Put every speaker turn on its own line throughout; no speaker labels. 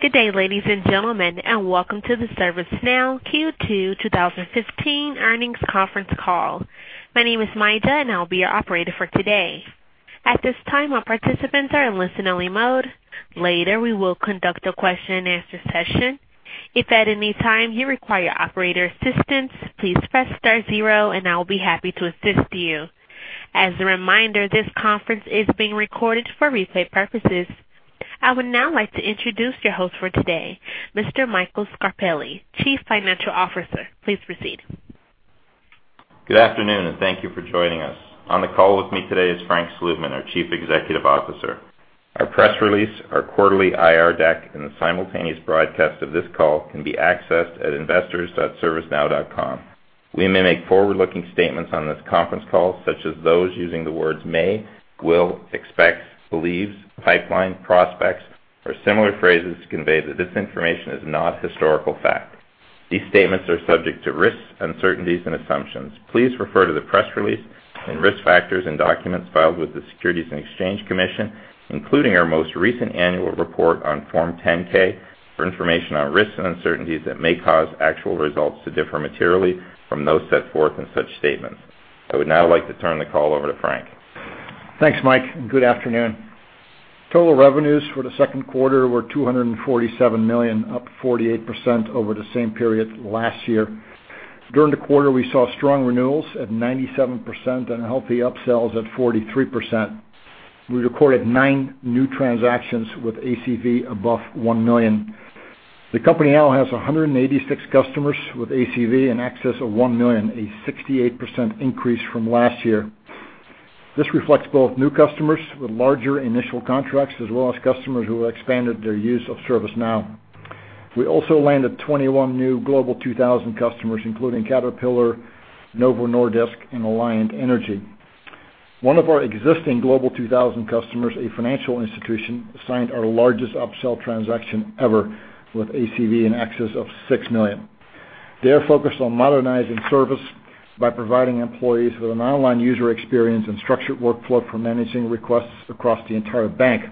Good day, ladies and gentlemen, welcome to the ServiceNow Q2 2015 earnings conference call. My name is Mida, I'll be your operator for today. At this time, all participants are in listen-only mode. Later, we will conduct a question-and-answer session. If at any time you require operator assistance, please press star zero, I will be happy to assist you. As a reminder, this conference is being recorded for replay purposes. I would now like to introduce your host for today, Mr. Michael Scarpelli, Chief Financial Officer. Please proceed.
Good afternoon, thank you for joining us. On the call with me today is Frank Slootman, our Chief Executive Officer. Our press release, our quarterly IR deck, the simultaneous broadcast of this call can be accessed at investors.servicenow.com. We may make forward-looking statements on this conference call, such as those using the words may, will, expects, believes, pipeline, prospects, or similar phrases to convey that this information is not historical fact. These statements are subject to risks, uncertainties and assumptions. Please refer to the press release and risk factors in documents filed with the Securities and Exchange Commission, including our most recent annual report on Form 10-K, for information on risks and uncertainties that may cause actual results to differ materially from those set forth in such statements. I would now like to turn the call over to Frank.
Thanks, Mike, good afternoon. Total revenues for the second quarter were $247 million, up 48% over the same period last year. During the quarter, we saw strong renewals at 97% and healthy upsells at 43%. We recorded 9 new transactions with ACV above $1 million. The company now has 186 customers with ACV in excess of $1 million, a 68% increase from last year. This reflects both new customers with larger initial contracts, as well as customers who expanded their use of ServiceNow. We also landed 21 new Global 2000 customers, including Caterpillar, Novo Nordisk and Alliant Energy. One of our existing Global 2000 customers, a financial institution, signed our largest upsell transaction ever, with ACV in excess of $6 million. They are focused on modernizing service by providing employees with an online user experience and structured workflow for managing requests across the entire bank.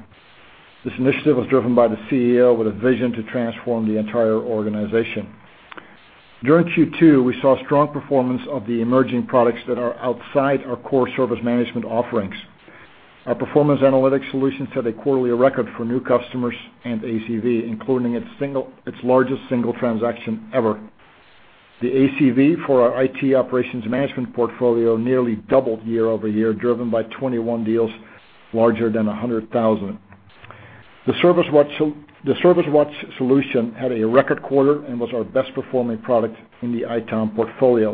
This initiative was driven by the CEO with a vision to transform the entire organization. During Q2, we saw strong performance of the emerging products that are outside our core service management offerings. Our Performance Analytics solutions set a quarterly record for new customers and ACV, including its largest single transaction ever. The ACV for our IT operations management portfolio nearly doubled year-over-year, driven by 21 deals larger than $100,000. The ServiceWatch solution had a record quarter, was our best performing product in the ITOM portfolio,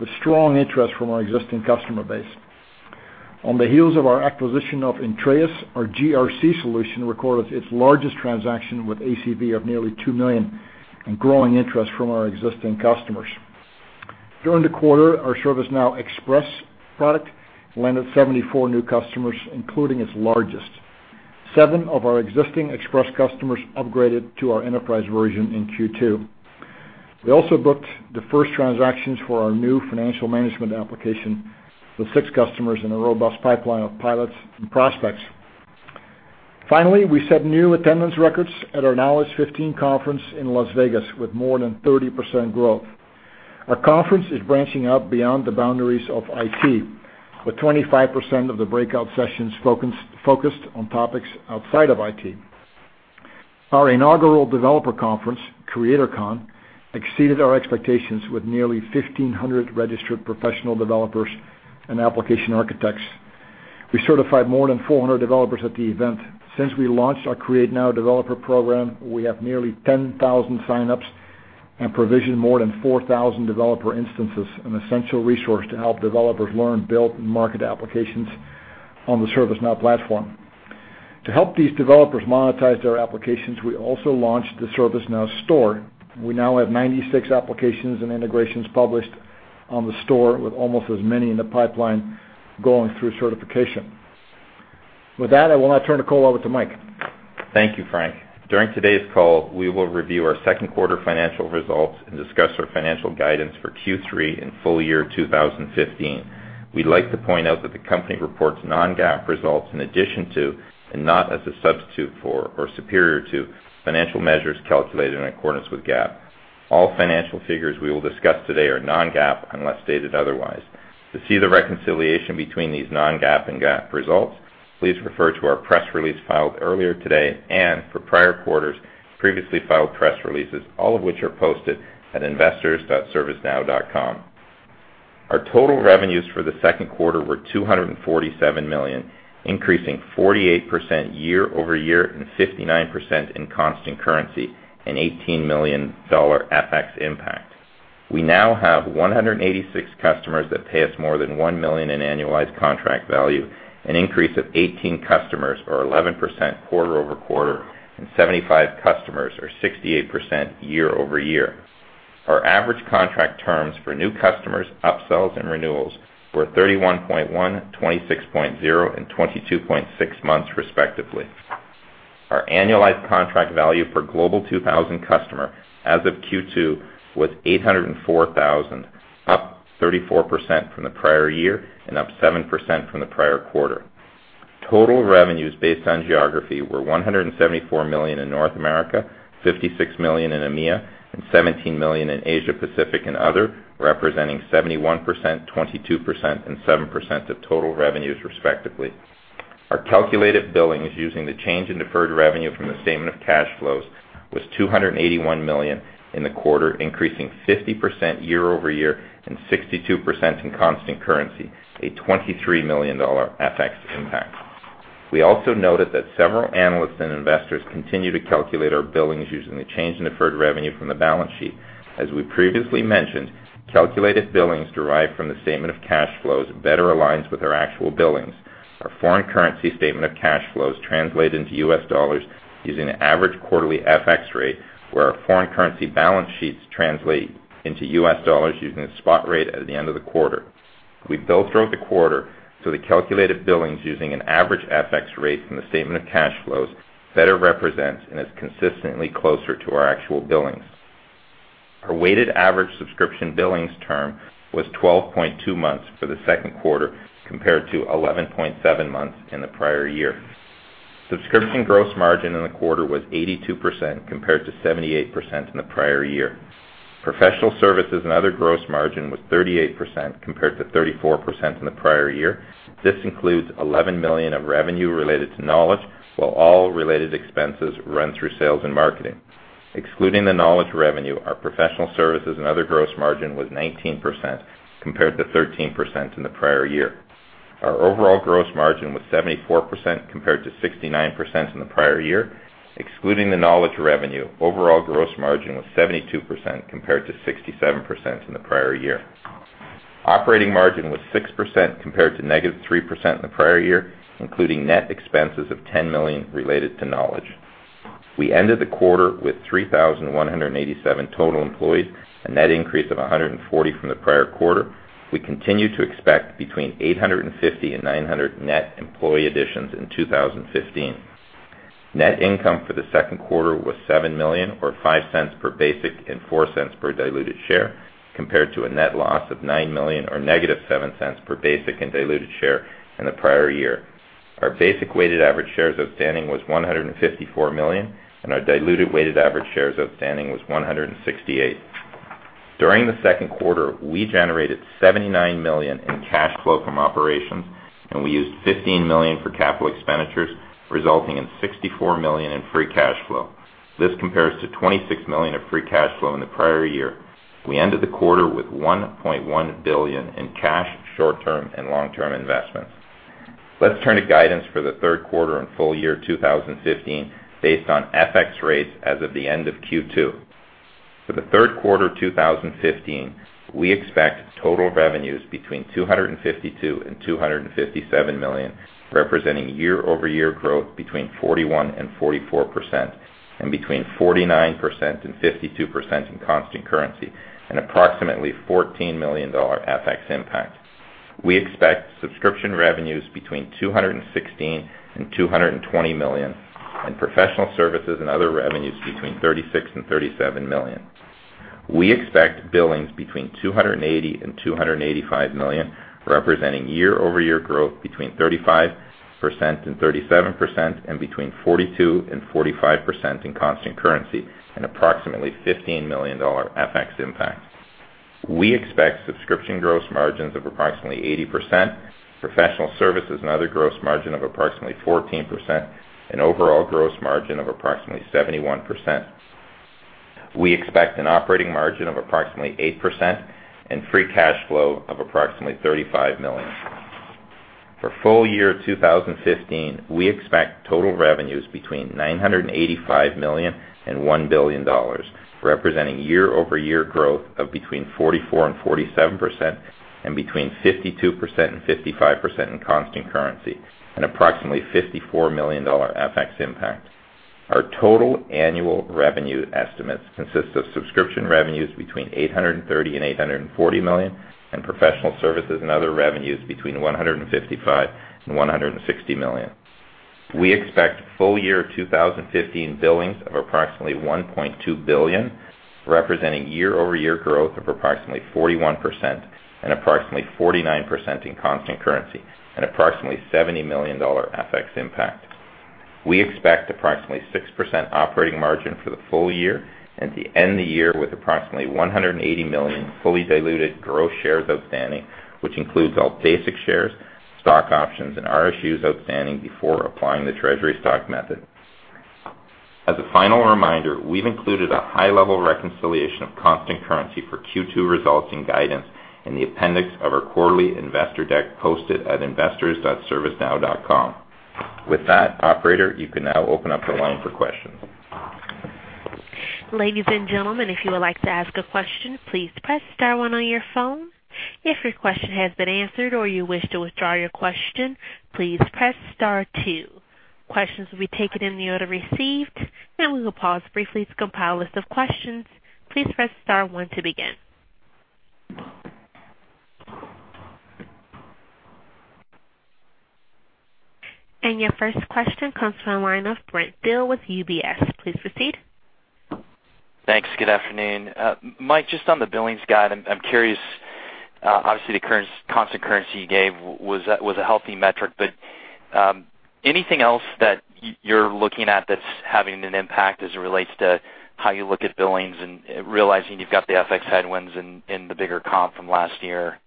with strong interest from our existing customer base. On the heels of our acquisition of Intrepid, our GRC solution recorded its largest transaction with ACV of nearly $2 million and growing interest from our existing customers. During the quarter, our ServiceNow Express product landed 74 new customers, including its largest. Seven of our existing Express customers upgraded to our enterprise version in Q2. We also booked the first transactions for our new financial management application with six customers in a robust pipeline of pilots and prospects. Finally, we set new attendance records at our Knowledge15 conference in Las Vegas, with more than 30% growth. Our conference is branching out beyond the boundaries of IT, with 25% of the breakout sessions focused on topics outside of IT. Our inaugural developer conference, CreatorCon, exceeded our expectations, with nearly 1,500 registered professional developers and application architects. We certified more than 400 developers at the event. Since we launched our CreateNow developer program, we have nearly 10,000 sign-ups and provisioned more than 4,000 developer instances, an essential resource to help developers learn, build, and market applications on the ServiceNow platform. To help these developers monetize their applications, we also launched the ServiceNow Store. We now have 96 applications and integrations published on the store, with almost as many in the pipeline going through certification. With that, I will now turn the call over to Mike.
Thank you, Frank. During today's call, we will review our second quarter financial results and discuss our financial guidance for Q3 and full year 2015. We would like to point out that the company reports non-GAAP results in addition to, and not as a substitute for or superior to, financial measures calculated in accordance with GAAP. All financial figures we will discuss today are non-GAAP unless stated otherwise. To see the reconciliation between these non-GAAP and GAAP results, please refer to our press release filed earlier today and, for prior quarters, previously filed press releases, all of which are posted at investors.servicenow.com. Our total revenues for the second quarter were $247 million, increasing 48% year-over-year and 59% in constant currency, an $18 million FX impact. We now have 186 customers that pay us more than $1 million in annualized contract value, an increase of 18 customers or 11% quarter-over-quarter, and 75 customers or 68% year-over-year. Our average contract terms for new customers, upsells and renewals were 31.1, 26.0 and 22.6 months respectively. Our annualized contract value per Global 2000 customer as of Q2 was $804,000, up 34% from the prior year and up 7% from the prior quarter. Total revenues based on geography were $174 million in North America, $56 million in EMEA, and $17 million in Asia Pacific and Other, representing 71%, 22%, and 7% of total revenues respectively. Our calculated billings using the change in deferred revenue from the statement of cash flows was $281 million in the quarter, increasing 50% year-over-year and 62% in constant currency, a $23 million FX impact. We also noted that several analysts and investors continue to calculate our billings using the change in deferred revenue from the balance sheet. As we previously mentioned, calculated billings derived from the statement of cash flows better aligns with our actual billings. Our foreign currency statement of cash flows translate into U.S. dollars using an average quarterly FX rate, where our foreign currency balance sheets translate into U.S. dollars using the spot rate at the end of the quarter. We bill throughout the quarter, so the calculated billings using an average FX rate from the statement of cash flows better represents and is consistently closer to our actual billings. Our weighted average subscription billings term was 12.2 months for the second quarter compared to 11.7 months in the prior year. Subscription gross margin in the quarter was 82% compared to 78% in the prior year. Professional services and other gross margin was 38% compared to 34% in the prior year. This includes $11 million of revenue related to Knowledge, while all related expenses run through sales and marketing. Excluding the Knowledge revenue, our professional services and other gross margin was 19% compared to 13% in the prior year. Our overall gross margin was 74% compared to 69% in the prior year. Excluding the Knowledge revenue, overall gross margin was 72% compared to 67% in the prior year. Operating margin was 6% compared to -3% in the prior year, including net expenses of $10 million related to Knowledge. We ended the quarter with 3,187 total employees, a net increase of 140 from the prior quarter. We continue to expect between 850 and 900 net employee additions in 2015. Net income for the second quarter was $7 million or $0.05 per basic and $0.04 per diluted share, compared to a net loss of $9 million or -$0.07 per basic and diluted share in the prior year. Our basic weighted average shares outstanding was 154 million, and our diluted weighted average shares outstanding was 168. During the second quarter, we generated $79 million in cash flow from operations, and we used $15 million for capital expenditures, resulting in $64 million in free cash flow. This compares to $26 million of free cash flow in the prior year. We ended the quarter with $1.1 billion in cash, short-term, and long-term investments. Let's turn to guidance for the third quarter and full year 2015 based on FX rates as of the end of Q2. For the third quarter 2015, we expect total revenues between $252 million and $257 million, representing year-over-year growth between 41% and 44%, and between 49% and 52% in constant currency, and approximately $14 million FX impact. We expect subscription revenues between $216 million and $220 million, and professional services and other revenues between $36 million and $37 million. We expect billings between $280 million and $285 million, representing year-over-year growth between 35% and 37%, and between 42% and 45% in constant currency, and approximately $15 million FX impact. We expect subscription gross margins of approximately 80%, professional services and other gross margin of approximately 14%, and overall gross margin of approximately 71%. We expect an operating margin of approximately 8% and free cash flow of approximately $35 million. For full year 2015, we expect total revenues between $985 million and $1 billion, representing year-over-year growth of between 44% and 47%, and between 52% and 55% in constant currency, and approximately $54 million FX impact. Our total annual revenue estimates consist of subscription revenues between $830 million and $840 million and professional services and other revenues between $155 million and $160 million. We expect full year 2015 billings of approximately $1.2 billion, representing year-over-year growth of approximately 41% and approximately 49% in constant currency, and approximately $70 million FX impact. We expect approximately 6% operating margin for the full year and to end the year with approximately 180 million fully diluted gross shares outstanding, which includes all basic shares, stock options, and RSUs outstanding before applying the treasury stock method. As a final reminder, we've included a high-level reconciliation of constant currency for Q2 results and guidance in the appendix of our quarterly investor deck posted at investors.servicenow.com. With that, operator, you can now open up the line for questions.
Ladies and gentlemen, if you would like to ask a question, please press star one on your phone. If your question has been answered or you wish to withdraw your question, please press star two. Questions will be taken in the order received, and we will pause briefly to compile a list of questions. Please press star one to begin. Your first question comes from the line of Brent Thill with UBS. Please proceed.
Thanks. Good afternoon. Mike, just on the billings guide, I'm curious, obviously the constant currency you gave was a healthy metric, but anything else that you're looking at that's having an impact as it relates to how you look at billings and realizing you've got the FX headwinds and the bigger comp from last year?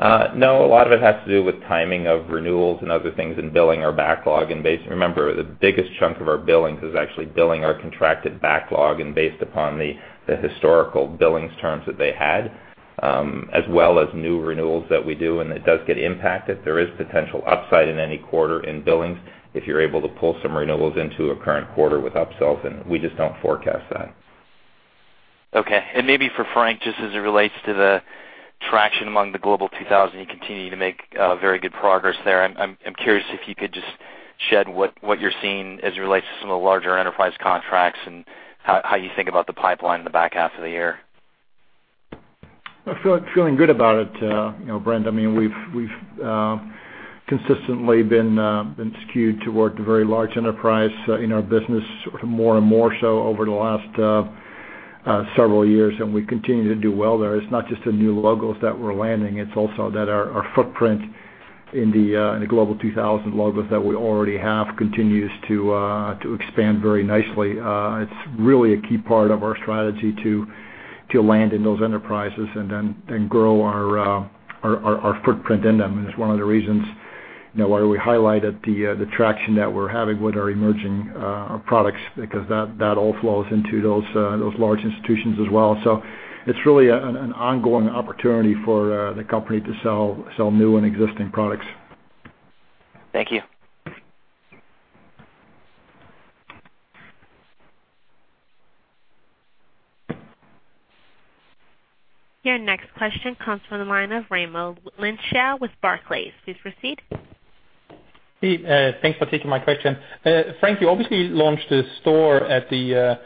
No, a lot of it has to do with timing of renewals and other things in billing our backlog. Remember, the biggest chunk of our billings is actually billing our contracted backlog and based upon the historical billings terms that they had, as well as new renewals that we do, and it does get impacted. There is potential upside in any quarter in billings if you're able to pull some renewals into a current quarter with upsells, and we just don't forecast that.
Okay. Maybe for Frank, just as it relates to the traction among the Global 2000, you continue to make very good progress there. I'm curious if you could just shed what you're seeing as it relates to some of the larger enterprise contracts and how you think about the pipeline in the back half of the year.
I'm feeling good about it, Brent. We've consistently been skewed toward the very large enterprise in our business, more and more so over the last several years, and we continue to do well there. It's not just the new logos that we're landing, it's also that our footprint in the Global 2000 logos that we already have continues to expand very nicely. It's really a key part of our strategy to land in those enterprises and then grow our footprint in them. It's one of the reasons why we highlighted the traction that we're having with our emerging products, because that all flows into those large institutions as well. It's really an ongoing opportunity for the company to sell new and existing products.
Thank you.
Your next question comes from the line of Raimo Lenshow with Barclays. Please proceed.
Thanks for taking my question. Frank, you obviously launched a Store at the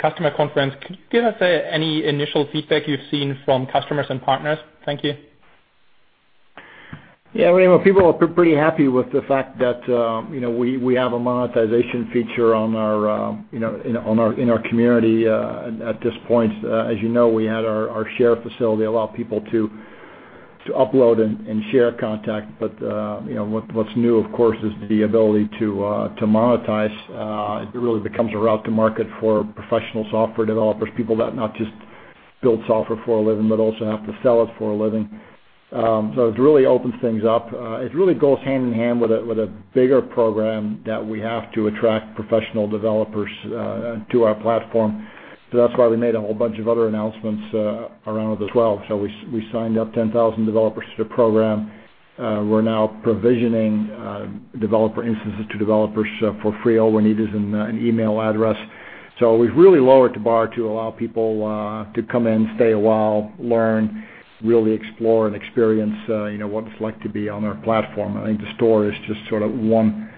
customer conference. Could you give us any initial feedback you've seen from customers and partners? Thank you.
Raimo, people are pretty happy with the fact that we have a monetization feature in our community at this point. As you know, we had our share facility allow people to upload and share content. What's new, of course, is the ability to monetize. It really becomes a route to market for professional software developers, people that not just build software for a living, but also have to sell it for a living. It really opens things up. It really goes hand-in-hand with a bigger program that we have to attract professional developers to our platform. That's why we made a whole bunch of other announcements around it as well. We signed up 10,000 developers to the program. We're now provisioning developer instances to developers for free. All we need is an email address. We've really lowered the bar to allow people to come in, stay a while, learn, really explore, and experience what it's like to be on our platform. I think the Store is just one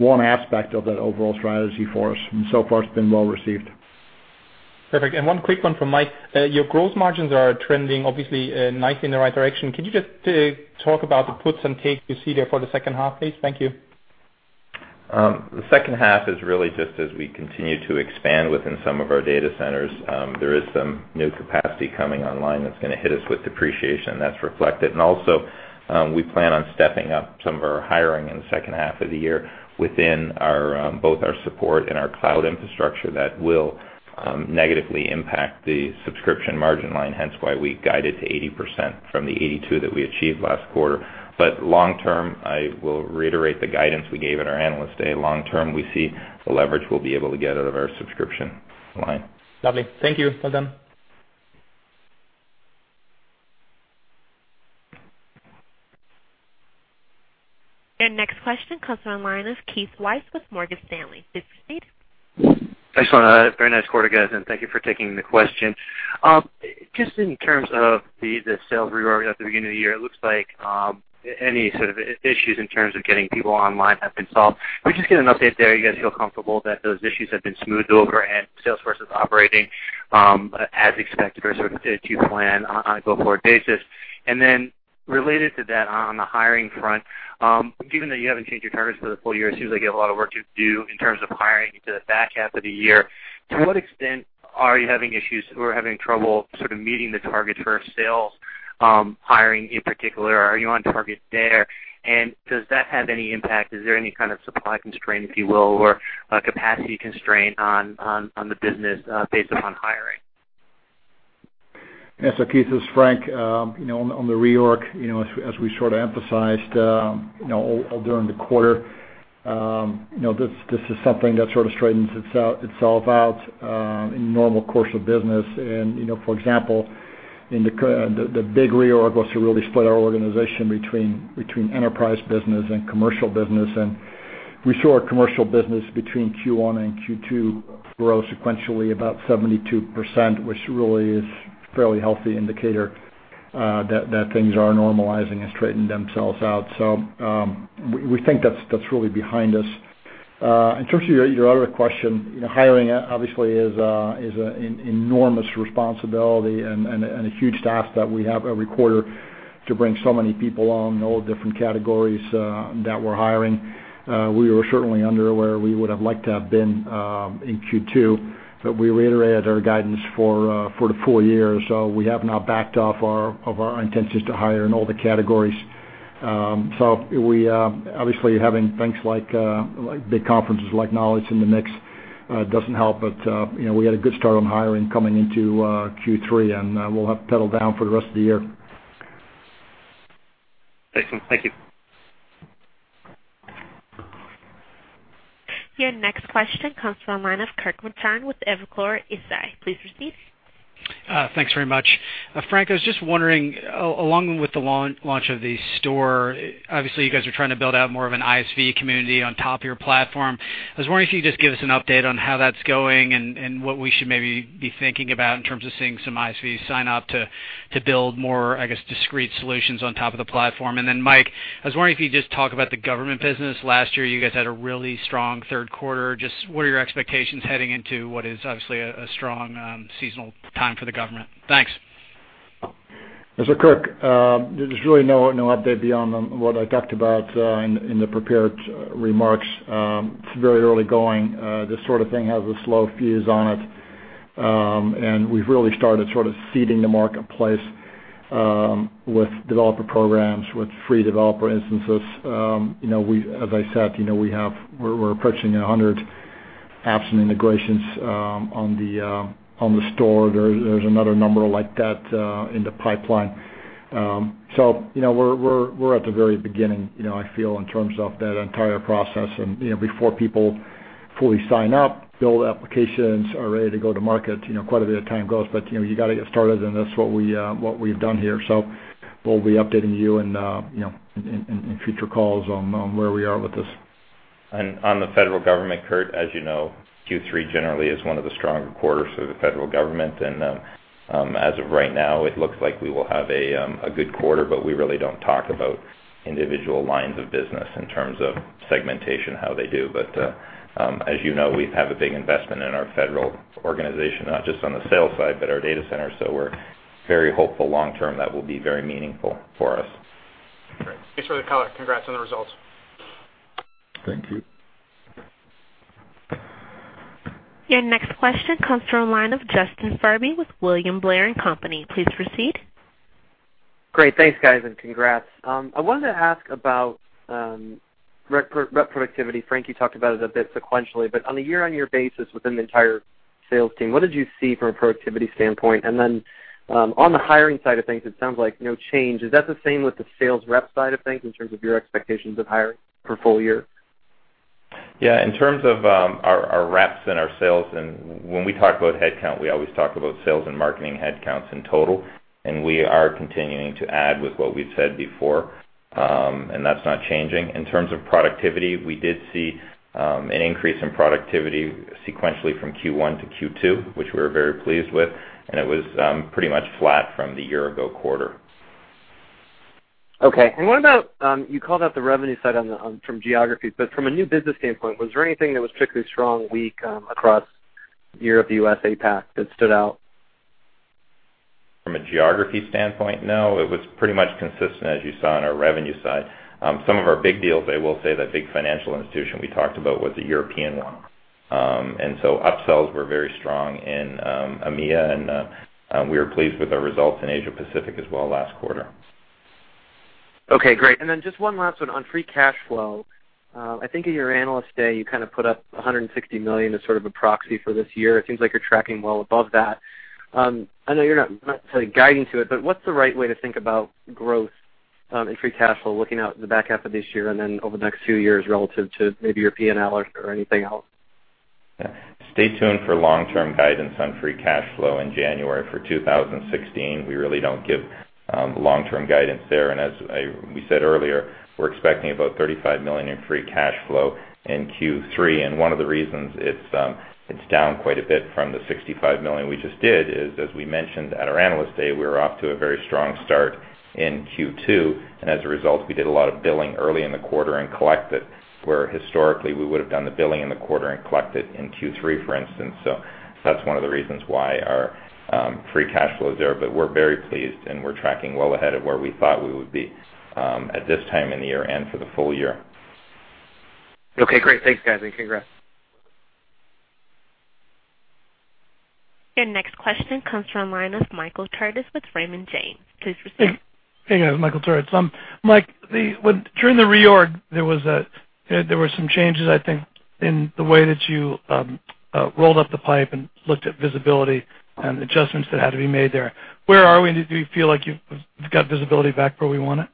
aspect of that overall strategy for us, and so far it's been well received.
Perfect. One quick one from Mike. Your gross margins are trending obviously nicely in the right direction. Could you just talk about the puts and takes you see there for the second half, please? Thank you.
The second half is really just as we continue to expand within some of our data centers. There is some new capacity coming online that is going to hit us with depreciation. That is reflected. Also, we plan on stepping up some of our hiring in the second half of the year within both our support and our cloud infrastructure that will negatively impact the subscription margin line, hence why we guided to 80% from the 82 that we achieved last quarter. Long term, I will reiterate the guidance we gave at our Analyst Day. Long term, I see the leverage we will be able to get out of our subscription line.
Lovely. Thank you. Well done.
Your next question comes from the line of Keith Weiss with Morgan Stanley. Please proceed.
Excellent. Very nice quarter, guys, and thank you for taking the question. Just in terms of the sales reorg at the beginning of the year, it looks like any sort of issues in terms of getting people online have been solved. Can we just get an update there? You guys feel comfortable that those issues have been smoothed over and sales force is operating as expected or sort of to plan on a go-forward basis? Related to that, on the hiring front, given that you haven't changed your targets for the full year, it seems like you have a lot of work to do in terms of hiring into the back half of the year. To what extent are you having issues or having trouble sort of meeting the targets for sales hiring in particular, or are you on target there? Does that have any impact? Is there any kind of supply constraint, if you will, or capacity constraint on the business based upon hiring?
Yeah. Keith, this is Frank. On the reorg, as we sort of emphasized during the quarter, this is something that sort of straightens itself out in normal course of business. For example, in the big reorg was to really split our organization between enterprise business and commercial business. We saw our commercial business between Q1 and Q2 grow sequentially about 72%, which really is a fairly healthy indicator that things are normalizing and straightening themselves out. We think that's really behind us. In terms of your other question, hiring obviously is an enormous responsibility and a huge task that we have every quarter to bring so many people on all different categories that we're hiring. We were certainly under where we would have liked to have been in Q2, but we reiterated our guidance for the full year. We have not backed off of our intentions to hire in all the categories. Obviously, having things like big conferences like Knowledge in the mix doesn't help. We had a good start on hiring coming into Q3, and we'll have pedal down for the rest of the year.
Excellent. Thank you.
Your next question comes from the line of Kirk Materne with Evercore ISI. Please proceed.
Thanks very much. Frank, I was just wondering, along with the launch of the store, obviously you guys are trying to build out more of an ISV community on top of your platform. I was wondering if you could just give us an update on how that's going and what we should maybe be thinking about in terms of seeing some ISVs sign up to build more, I guess, discrete solutions on top of the platform. Mike, I was wondering if you could just talk about the government business. Last year you guys had a really strong third quarter. Just what are your expectations heading into what is obviously a strong seasonal time for the government? Thanks.
Kirk, there's really no update beyond what I talked about in the prepared remarks. It's very early going. This sort of thing has a slow fuse on it. We've really started sort of seeding the marketplace with developer programs, with free developer instances. As I said, we're approaching 100 apps and integrations on the store. There's another number like that in the pipeline. We're at the very beginning, I feel, in terms of that entire process. Before people fully sign up, build applications, are ready to go to market, quite a bit of time goes. You got to get started, and that's what we've done here. We'll be updating you in future calls on where we are with this.
On the federal government, Kirk, as you know, Q3 generally is one of the stronger quarters for the federal government. As of right now it looks like we will have a good quarter, but we really don't talk about individual lines of business in terms of segmentation, how they do. As you know, we have a big investment in our federal organization, not just on the sales side, but our data centers. We're very hopeful long term that will be very meaningful for us.
Great. Thanks for the color. Congrats on the results.
Thank you.
Your next question comes from a line of Justin Furby with William Blair & Company. Please proceed.
Great. Thanks, guys, and congrats. I wanted to ask about rep productivity. Frank, you talked about it a bit sequentially, but on a year-on-year basis within the entire sales team, what did you see from a productivity standpoint? Then on the hiring side of things, it sounds like no change. Is that the same with the sales rep side of things in terms of your expectations of hiring for full year?
Yeah. In terms of our reps and our sales, and when we talk about headcount, we always talk about sales and marketing headcounts in total, and we are continuing to add with what we've said before, and that's not changing. In terms of productivity, we did see an increase in productivity sequentially from Q1 to Q2, which we were very pleased with, and it was pretty much flat from the year-ago quarter.
Okay. What about, you called out the revenue side from geography, but from a new business standpoint, was there anything that was particularly strong, weak across Europe, U.S., APAC that stood out?
From a geography standpoint, no. It was pretty much consistent as you saw on our revenue side. Some of our big deals, I will say that big financial institution we talked about was a European one. So upsells were very strong in EMEA, and we were pleased with our results in Asia Pacific as well last quarter.
Okay, great. Just one last one on free cash flow. I think at your Analyst Day, you kind of put up $160 million as sort of a proxy for this year. It seems like you're tracking well above that. I know you're not necessarily guiding to it, what's the right way to think about growth in free cash flow looking out the back half of this year and then over the next few years relative to maybe your P&L or anything else?
Stay tuned for long-term guidance on free cash flow in January for 2016. We really don't give long-term guidance there. As we said earlier, we're expecting about $35 million in free cash flow in Q3. One of the reasons it's down quite a bit from the $65 million we just did is, as we mentioned at our Analyst Day, we were off to a very strong start in Q2, and as a result, we did a lot of billing early in the quarter and collected, where historically we would have done the billing in the quarter and collected in Q3, for instance. That's one of the reasons why our free cash flow is there. We're very pleased and we're tracking well ahead of where we thought we would be at this time in the year and for the full year.
Okay, great. Thanks, guys, and congrats.
Your next question comes from the line of Michael Turits with Raymond James. Please proceed.
Hey, guys. Michael Turits. Mike, during the reorg, there were some changes, I think, in the way that you rolled up the pipe and looked at visibility and adjustments that had to be made there. Where are we? Do you feel like you've got visibility back where we want it?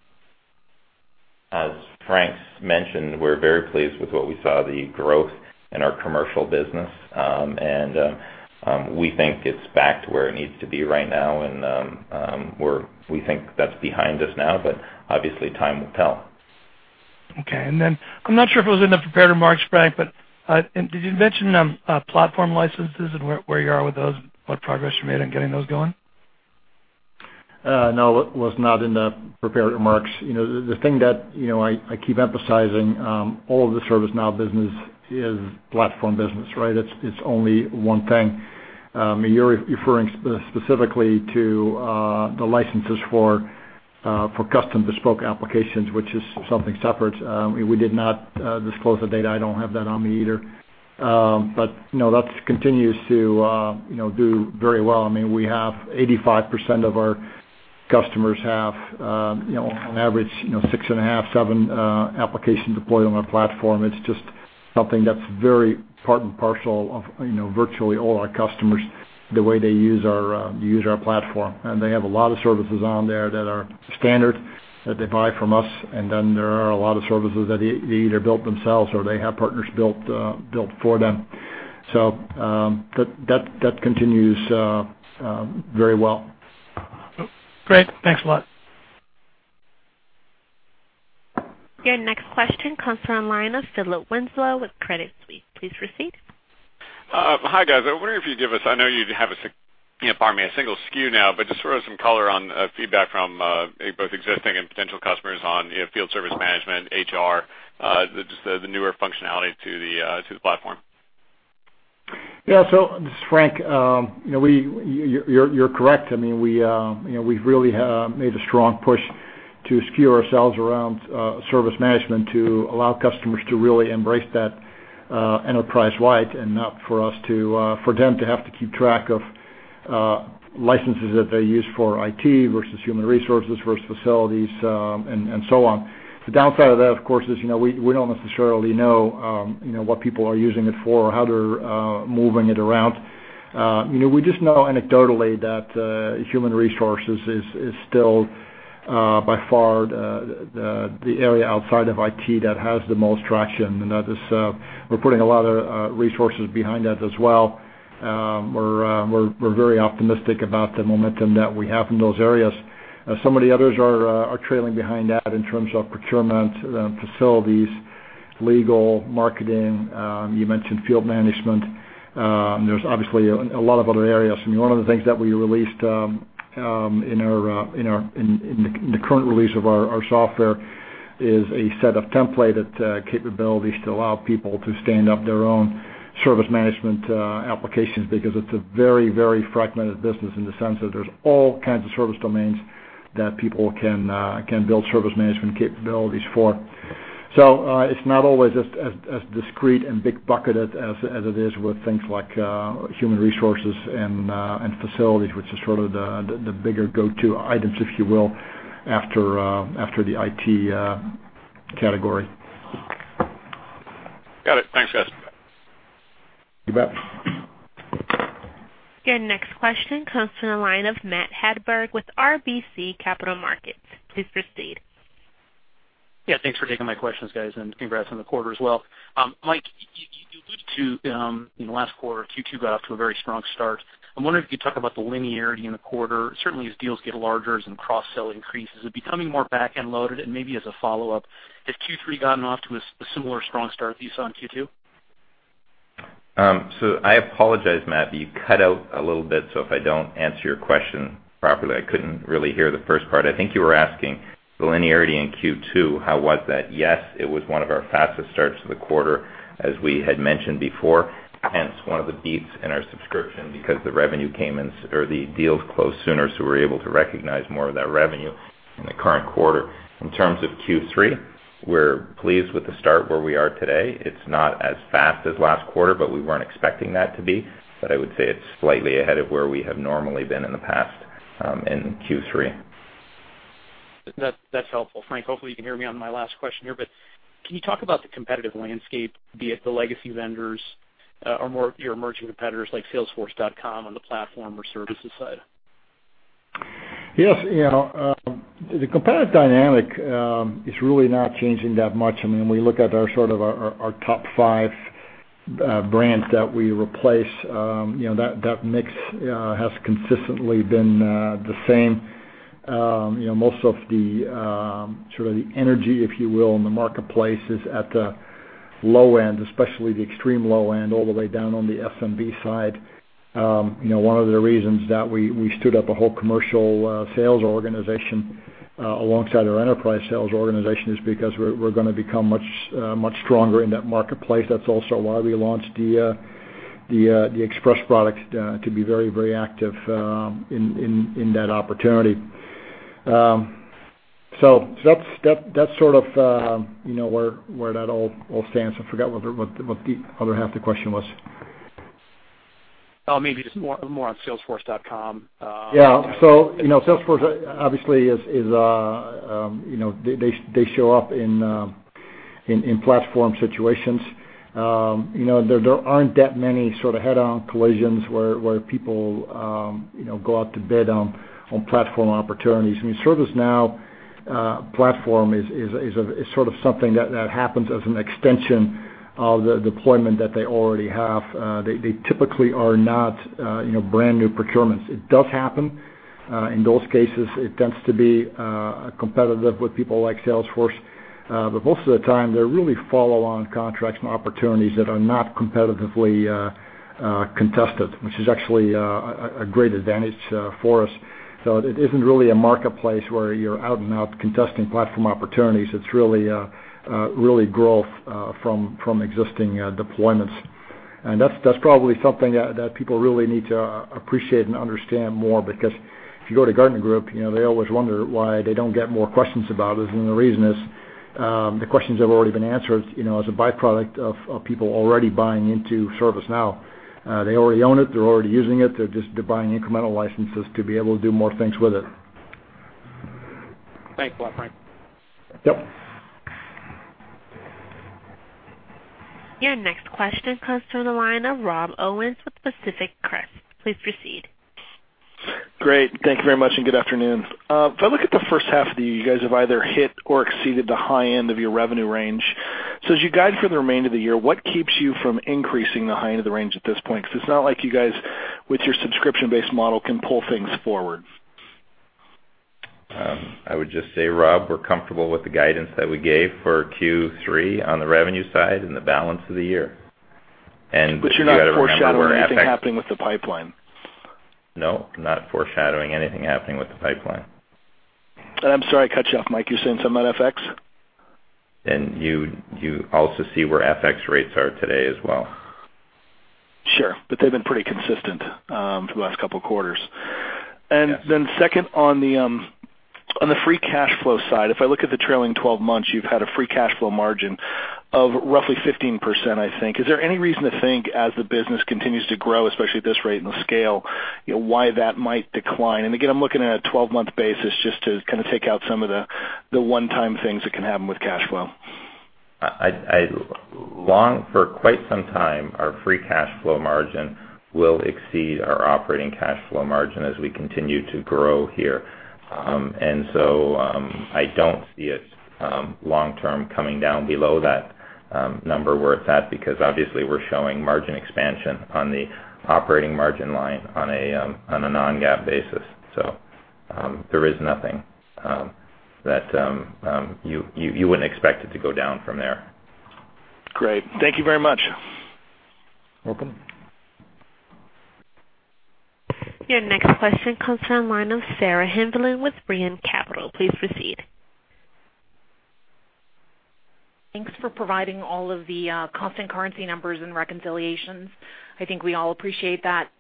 As Frank Slootman mentioned, we're very pleased with what we saw, the growth in our commercial business. We think it's back to where it needs to be right now, we think that's behind us now, obviously time will tell.
Okay. I'm not sure if it was in the prepared remarks, Frank Slootman, did you mention platform licenses and where you are with those? What progress you made on getting those going?
No, it was not in the prepared remarks. The thing that I keep emphasizing, all of the ServiceNow business is platform business, right? It's only one thing. You're referring specifically to the licenses for custom bespoke applications, which is something separate. We did not disclose the data. I don't have that on me either. No, that continues to do very well. We have 85% of our customers have on average six and a half, seven applications deployed on our platform. It's just something that's very part and parcel of virtually all our customers, the way they use our platform. They have a lot of services on there that are standard that they buy from us, there are a lot of services that they either built themselves or they have partners build for them. That continues very well.
Great. Thanks a lot.
Your next question comes from the line of Philip Winslow with Credit Suisse. Please proceed.
Hi, guys. I wonder if you'd give us, I know you have a, pardon me, a single SKU now, but just sort of some color on feedback from both existing and potential customers on field service management, HR, just the newer functionality to the platform.
Yeah. This is Frank. You're correct. We've really made a strong push to skew ourselves around service management to allow customers to really embrace that enterprise-wide and not for them to have to keep track of licenses that they use for IT versus Human Resources versus facilities, and so on. The downside of that, of course, is we don't necessarily know what people are using it for or how they're moving it around. We just know anecdotally that Human Resources is still by far the area outside of IT that has the most traction, and we're putting a lot of resources behind that as well. We're very optimistic about the momentum that we have in those areas. Some of the others are trailing behind that in terms of procurement, facilities, legal, marketing. You mentioned field management. There's obviously a lot of other areas. One of the things that we released in the current release of our software is a set of templated capabilities to allow people to stand up their own service management applications because it's a very, very fragmented business in the sense that there's all kinds of service domains that people can build service management capabilities for. It's not always as discrete and big bucketed as it is with things like human resources and facilities, which is sort of the bigger go-to items, if you will, after the IT category.
Got it. Thanks, guys.
You bet.
Your next question comes from the line of Matt Hedberg with RBC Capital Markets. Please proceed.
Yeah, thanks for taking my questions, guys, and congrats on the quarter as well. Mike, you alluded to, in the last quarter, Q2 got off to a very strong start. I'm wondering if you could talk about the linearity in the quarter. Certainly as deals get larger and cross-sell increases, is it becoming more back-end-loaded? As a follow-up, has Q3 gotten off to a similar strong start that you saw in Q2?
I apologize, Matt, you cut out a little bit, so if I don't answer your question properly, I couldn't really hear the first part. I think you were asking the linearity in Q2, how was that? Yes, it was one of our fastest starts to the quarter, as we had mentioned before, hence one of the beats in our subscription because the revenue came in or the deals closed sooner, so we were able to recognize more of that revenue in the current quarter. In terms of Q3, we're pleased with the start where we are today. It's not as fast as last quarter, but we weren't expecting that to be. I would say it's slightly ahead of where we have normally been in the past in Q3.
That's helpful. Frank, hopefully you can hear me on my last question here, but can you talk about the competitive landscape, be it the legacy vendors or more of your emerging competitors like Salesforce.com on the platform or services side?
Yes. The competitive dynamic is really not changing that much. When we look at our top five brands that we replace, that mix has consistently been the same. Most of the energy, if you will, in the marketplace is at the low end, especially the extreme low end, all the way down on the SMB side. One of the reasons that we stood up a whole commercial sales organization alongside our enterprise sales organization is because we're going to become much stronger in that marketplace. That's also why we launched the Express product to be very, very active in that opportunity. That's sort of where that all stands. I forgot what the other half of the question was.
Maybe just more on Salesforce.com.
Yeah. Salesforce obviously they show up in platform situations. There aren't that many sort of head-on collisions where people go out to bid on platform opportunities. ServiceNow platform is sort of something that happens as an extension of the deployment that they already have. They typically are not brand-new procurements. It does happen In those cases, it tends to be competitive with people like Salesforce. Most of the time, they're really follow-on contracts and opportunities that are not competitively contested, which is actually a great advantage for us. It isn't really a marketplace where you're out and out contesting platform opportunities. It's really growth from existing deployments. That's probably something that people really need to appreciate and understand more, because if you go to Gartner, Inc., they always wonder why they don't get more questions about us. The reason is, the questions have already been answered, as a byproduct of people already buying into ServiceNow. They already own it. They're already using it. They're just buying incremental licenses to be able to do more things with it.
Thanks a lot, Frank.
Yep.
Your next question comes from the line of Rob Owens with Pacific Crest. Please proceed.
Great. Thank you very much. Good afternoon. If I look at the first half of the year, you guys have either hit or exceeded the high end of your revenue range. As you guide for the remainder of the year, what keeps you from increasing the high end of the range at this point? It's not like you guys, with your subscription-based model, can pull things forward.
I would just say, Rob, we're comfortable with the guidance that we gave for Q3 on the revenue side and the balance of the year. You got to remember where FX-
You're not foreshadowing anything happening with the pipeline?
No, not foreshadowing anything happening with the pipeline.
I'm sorry, I cut you off, Mike. You were saying something about FX?
You also see where FX rates are today as well.
Sure. They've been pretty consistent for the last couple of quarters.
Yes.
Second, on the free cash flow side, if I look at the trailing 12 months, you've had a free cash flow margin of roughly 15%, I think. Is there any reason to think as the business continues to grow, especially at this rate and the scale, why that might decline? Again, I'm looking at a 12-month basis just to kind of take out some of the one-time things that can happen with cash flow.
For quite some time, our free cash flow margin will exceed our operating cash flow margin as we continue to grow here. I don't see it long term coming down below that number we're at, because obviously we're showing margin expansion on the operating margin line on a non-GAAP basis. There is nothing that you wouldn't expect it to go down from there.
Great. Thank you very much.
Welcome.
Your next question comes from the line of Sarah Hindlian with Brean Capital. Please proceed.
Thanks for providing all of the constant currency numbers and reconciliations. I think we all appreciate that.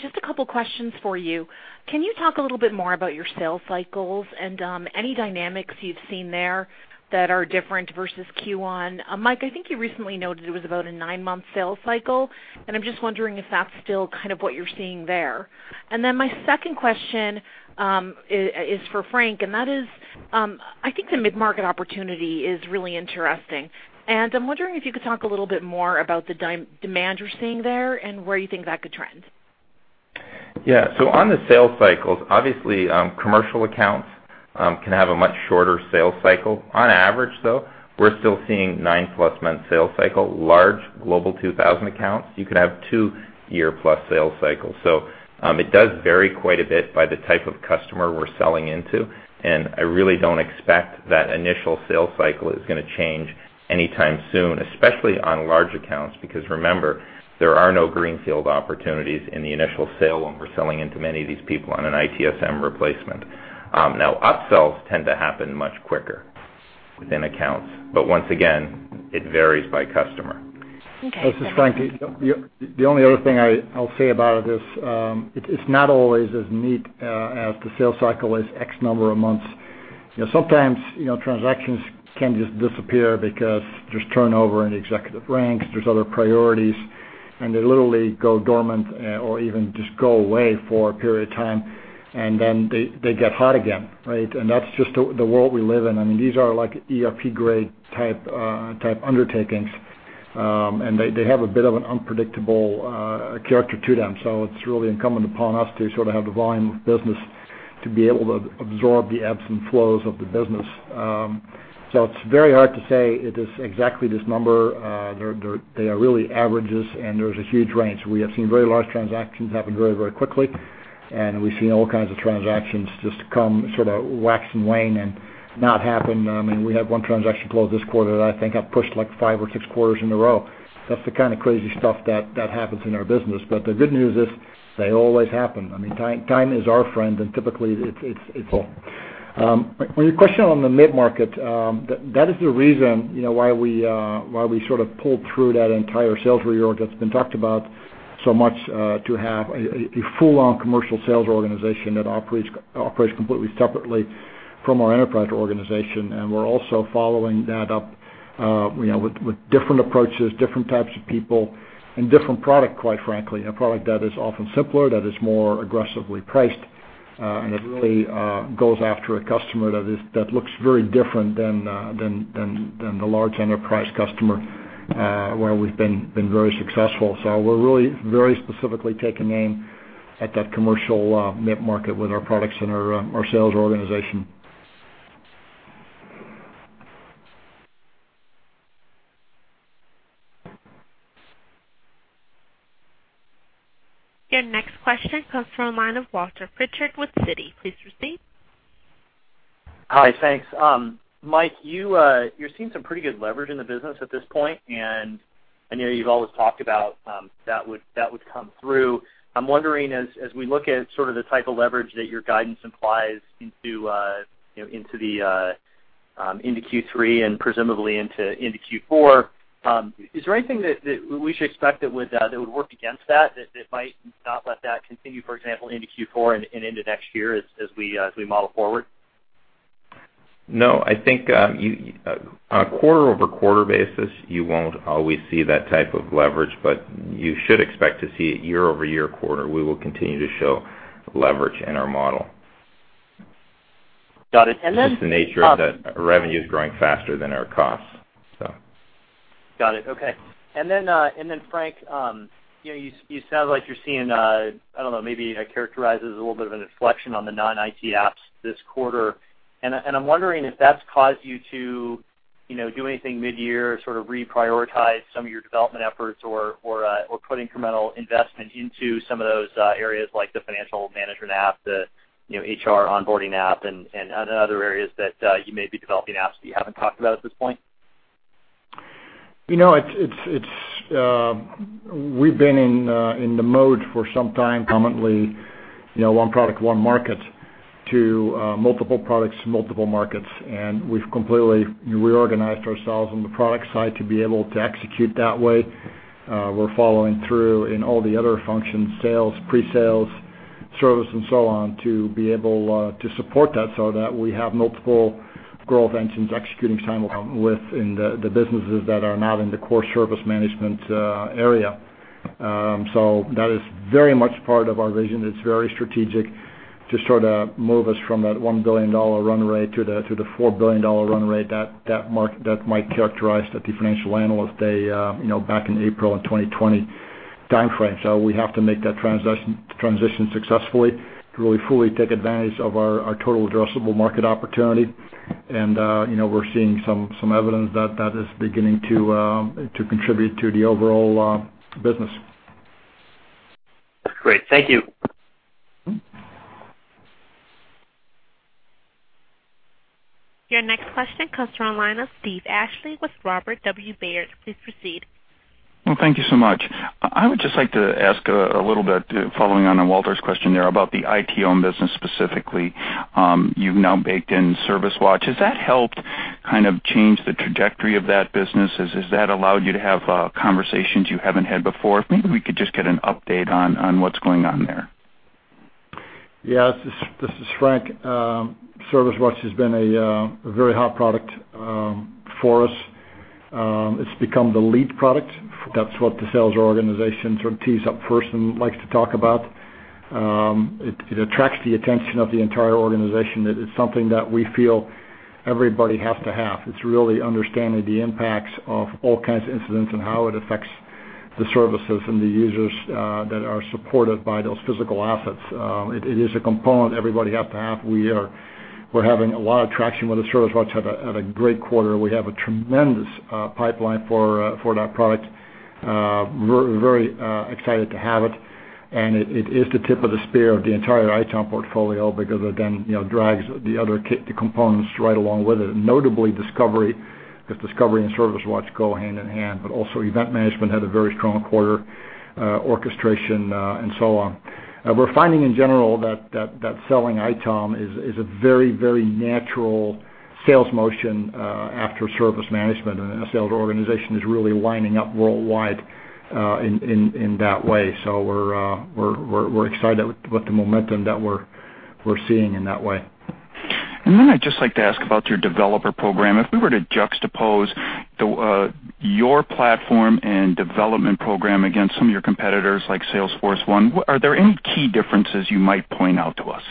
Just a couple questions for you. Can you talk a little bit more about your sales cycles and any dynamics you've seen there that are different versus Q1? Mike, I think you recently noted it was about a nine-month sales cycle, and I'm just wondering if that's still kind of what you're seeing there. My second question is for Frank, and that is, I think the mid-market opportunity is really interesting, and I'm wondering if you could talk a little bit more about the demand you're seeing there and where you think that could trend.
On the sales cycles, obviously, commercial accounts can have a much shorter sales cycle. On average, though, we're still seeing nine-plus month sales cycle. Large Global 2000 accounts, you could have two-year-plus sales cycles. It does vary quite a bit by the type of customer we're selling into, and I really don't expect that initial sales cycle is going to change anytime soon, especially on large accounts, because remember, there are no greenfield opportunities in the initial sale when we're selling into many of these people on an ITSM replacement. Upsells tend to happen much quicker within accounts, once again, it varies by customer.
Okay.
This is Frank. The only other thing I'll say about it is, it's not always as neat as the sales cycle is X number of months. Sometimes transactions can just disappear because there's turnover in the executive ranks, there's other priorities, and they literally go dormant or even just go away for a period of time, then they get hot again. I mean, these are ERP-grade type undertakings, and they have a bit of an unpredictable character to them. It's really incumbent upon us to sort of have the volume of business to be able to absorb the ebbs and flows of the business. It's very hard to say it is exactly this number. They are really averages, there's a huge range. We have seen very large transactions happen very, very quickly, we've seen all kinds of transactions just come sort of wax and wane and not happen. I mean, we had one transaction close this quarter that I think got pushed like five or six quarters in a row. That's the kind of crazy stuff that happens in our business. The good news is they always happen. I mean, time is our friend, and typically it's.
Cool.
On your question on the mid-market, that is the reason why we sort of pulled through that entire sales reorg that's been talked about so much, to have a full-on commercial sales organization that operates completely separately from our enterprise organization. We're also following that up with different approaches, different types of people, and different product, quite frankly. A product that is often simpler, that is more aggressively priced, and that really goes after a customer that looks very different than the large enterprise customer, where we've been very successful. We're really very specifically taking aim at that commercial mid-market with our products and our sales organization.
Your next question comes from the line of Walter Pritchard with Citi. Please proceed.
Hi, thanks. Mike, you're seeing some pretty good leverage in the business at this point, and I know you've always talked about that would come through. I'm wondering, as we look at sort of the type of leverage that your guidance implies into Q3 and presumably into Q4, is there anything that we should expect that would work against that might not let that continue, for example, into Q4 and into next year as we model forward?
No, I think on a quarter-over-quarter basis, you won't always see that type of leverage, but you should expect to see it year-over-year quarter. We will continue to show leverage in our model.
Got it.
It's the nature of the revenue is growing faster than our costs.
Got it. Okay. Frank, you sound like you're seeing, I don't know, maybe I characterize this as a little bit of an inflection on the non-IT apps this quarter. I'm wondering if that's caused you to do anything mid-year, sort of reprioritize some of your development efforts or put incremental investment into some of those areas like the financial management app, the HR onboarding app, and other areas that you may be developing apps that you haven't talked about at this point.
We've been in the mode for some time, commonly one product, one market, to multiple products, multiple markets, we've completely reorganized ourselves on the product side to be able to execute that way. We're following through in all the other functions, sales, pre-sales, service, and so on to be able to support that so that we have multiple growth engines executing simultaneously in the businesses that are not in the core service management area. That is very much part of our vision. It's very strategic to sort of move us from that $1 billion run rate to the $4 billion run rate that Mike characterized that the Financial Analyst Day back in April in 2020 timeframe. We have to make that transition successfully to really fully take advantage of our total addressable market opportunity. We're seeing some evidence that is beginning to contribute to the overall business.
Great. Thank you.
Your next question comes from the line of Steve Ashley with Robert W. Baird. Please proceed.
Thank you so much. I would just like to ask a little bit, following on Walter's question there, about the ITOM business specifically. You've now baked in ServiceWatch. Has that helped kind of change the trajectory of that business? Has that allowed you to have conversations you haven't had before? If maybe we could just get an update on what's going on there.
Yes. This is Frank. ServiceWatch has been a very hot product for us. It's become the lead product. That's what the sales organization sort of tees up first and likes to talk about. It attracts the attention of the entire organization. It is something that we feel everybody has to have. It's really understanding the impacts of all kinds of incidents and how it affects the services and the users that are supported by those physical assets. It is a component everybody has to have. We're having a lot of traction with the ServiceWatch, had a great quarter. We have a tremendous pipeline for that product. We're very excited to have it, and it is the tip of the spear of the entire ITOM portfolio because it then drags the other components right along with it. Notably Discovery, because Discovery and ServiceWatch go hand-in-hand. Also Event Management had a very strong quarter, Orchestration and so on. We're finding in general that selling ITOM is a very natural sales motion after Service Management, and our sales organization is really winding up worldwide in that way. We're excited with the momentum that we're seeing in that way.
I'd just like to ask about your developer program. If we were to juxtapose your platform and development program against some of your competitors, like Salesforce1, are there any key differences you might point out to us?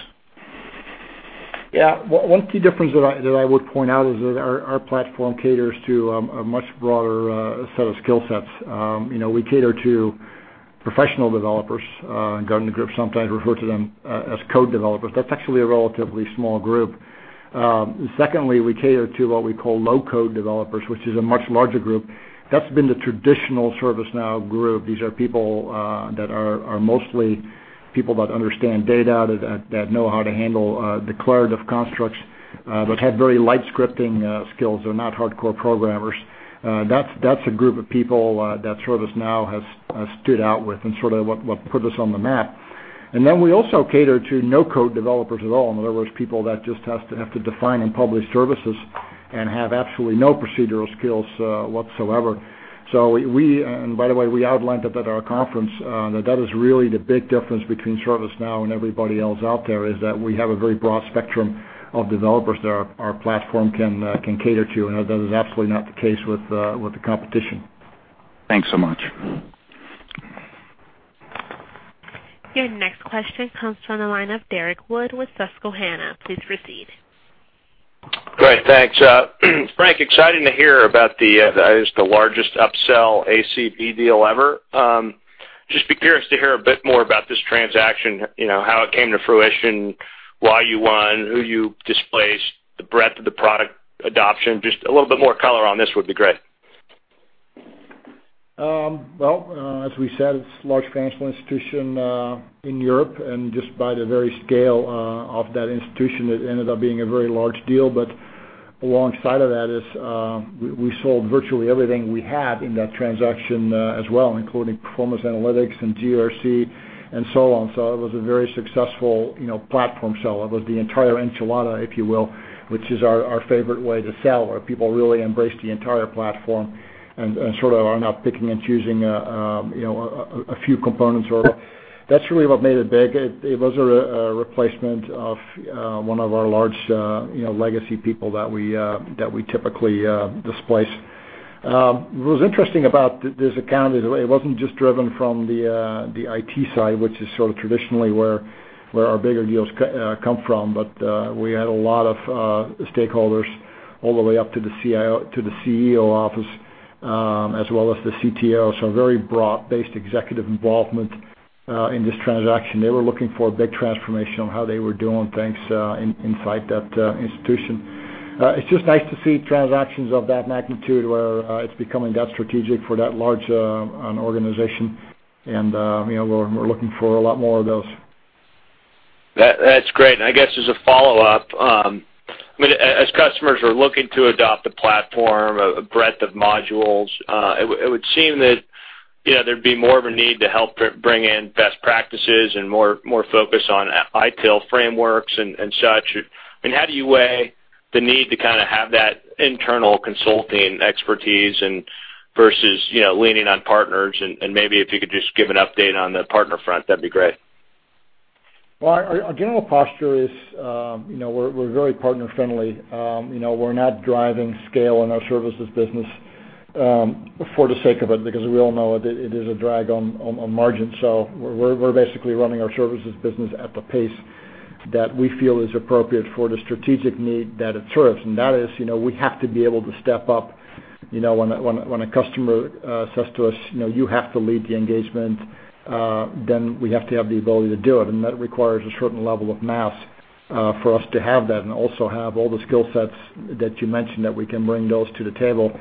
Yeah. One key difference that I would point out is that our platform caters to a much broader set of skill sets. We cater to professional developers. Government groups sometimes refer to them as code developers. That's actually a relatively small group. Secondly, we cater to what we call low-code developers, which is a much larger group. That's been the traditional ServiceNow group. These are people that are mostly people that understand data, that know how to handle declarative constructs, but have very light scripting skills. They're not hardcore programmers. That's a group of people that ServiceNow has stood out with and sort of what put us on the map. We also cater to no-code developers at all. In other words, people that just have to define and publish services and have absolutely no procedural skills whatsoever. by the way, we outlined it at our conference, that is really the big difference between ServiceNow and everybody else out there, is that we have a very broad spectrum of developers that our platform can cater to, and that is absolutely not the case with the competition.
Thanks so much.
Your next question comes from the line of Derrick Wood with Susquehanna. Please proceed.
Great. Thanks. Frank, exciting to hear about the, I guess, the largest upsell ACV deal ever. Just be curious to hear a bit more about this transaction, how it came to fruition. Why you won, who you displaced, the breadth of the product adoption. Just a little bit more color on this would be great.
Well, as we said, it's a large financial institution in Europe, and just by the very scale of that institution, it ended up being a very large deal. Alongside of that is we sold virtually everything we had in that transaction as well, including Performance Analytics and GRC and so on. It was a very successful platform sell. It was the entire enchilada, if you will, which is our favorite way to sell, where people really embrace the entire platform and are not picking and choosing a few components. That's really what made it big. It was a replacement of one of our large legacy people that we typically displace. What was interesting about this account is that it wasn't just driven from the IT side, which is sort of traditionally where our bigger deals come from. We had a lot of stakeholders all the way up to the CEO office, as well as the CTO. Very broad-based executive involvement in this transaction. They were looking for a big transformation on how they were doing things inside that institution. It's just nice to see transactions of that magnitude where it's becoming that strategic for that large an organization. We're looking for a lot more of those.
That's great. I guess as a follow-up, as customers are looking to adopt a platform, a breadth of modules, it would seem that there'd be more of a need to help bring in best practices and more focus on ITIL frameworks and such. How do you weigh the need to have that internal consulting expertise versus leaning on partners? Maybe if you could just give an update on the partner front, that'd be great.
Well, our general posture is we're very partner friendly. We're not driving scale in our services business for the sake of it, because we all know it is a drag on margin. We're basically running our services business at the pace that we feel is appropriate for the strategic need that it serves. That is, we have to be able to step up. When a customer says to us, "You have to lead the engagement," then we have to have the ability to do it. That requires a certain level of mass for us to have that and also have all the skill sets that you mentioned that we can bring those to the table.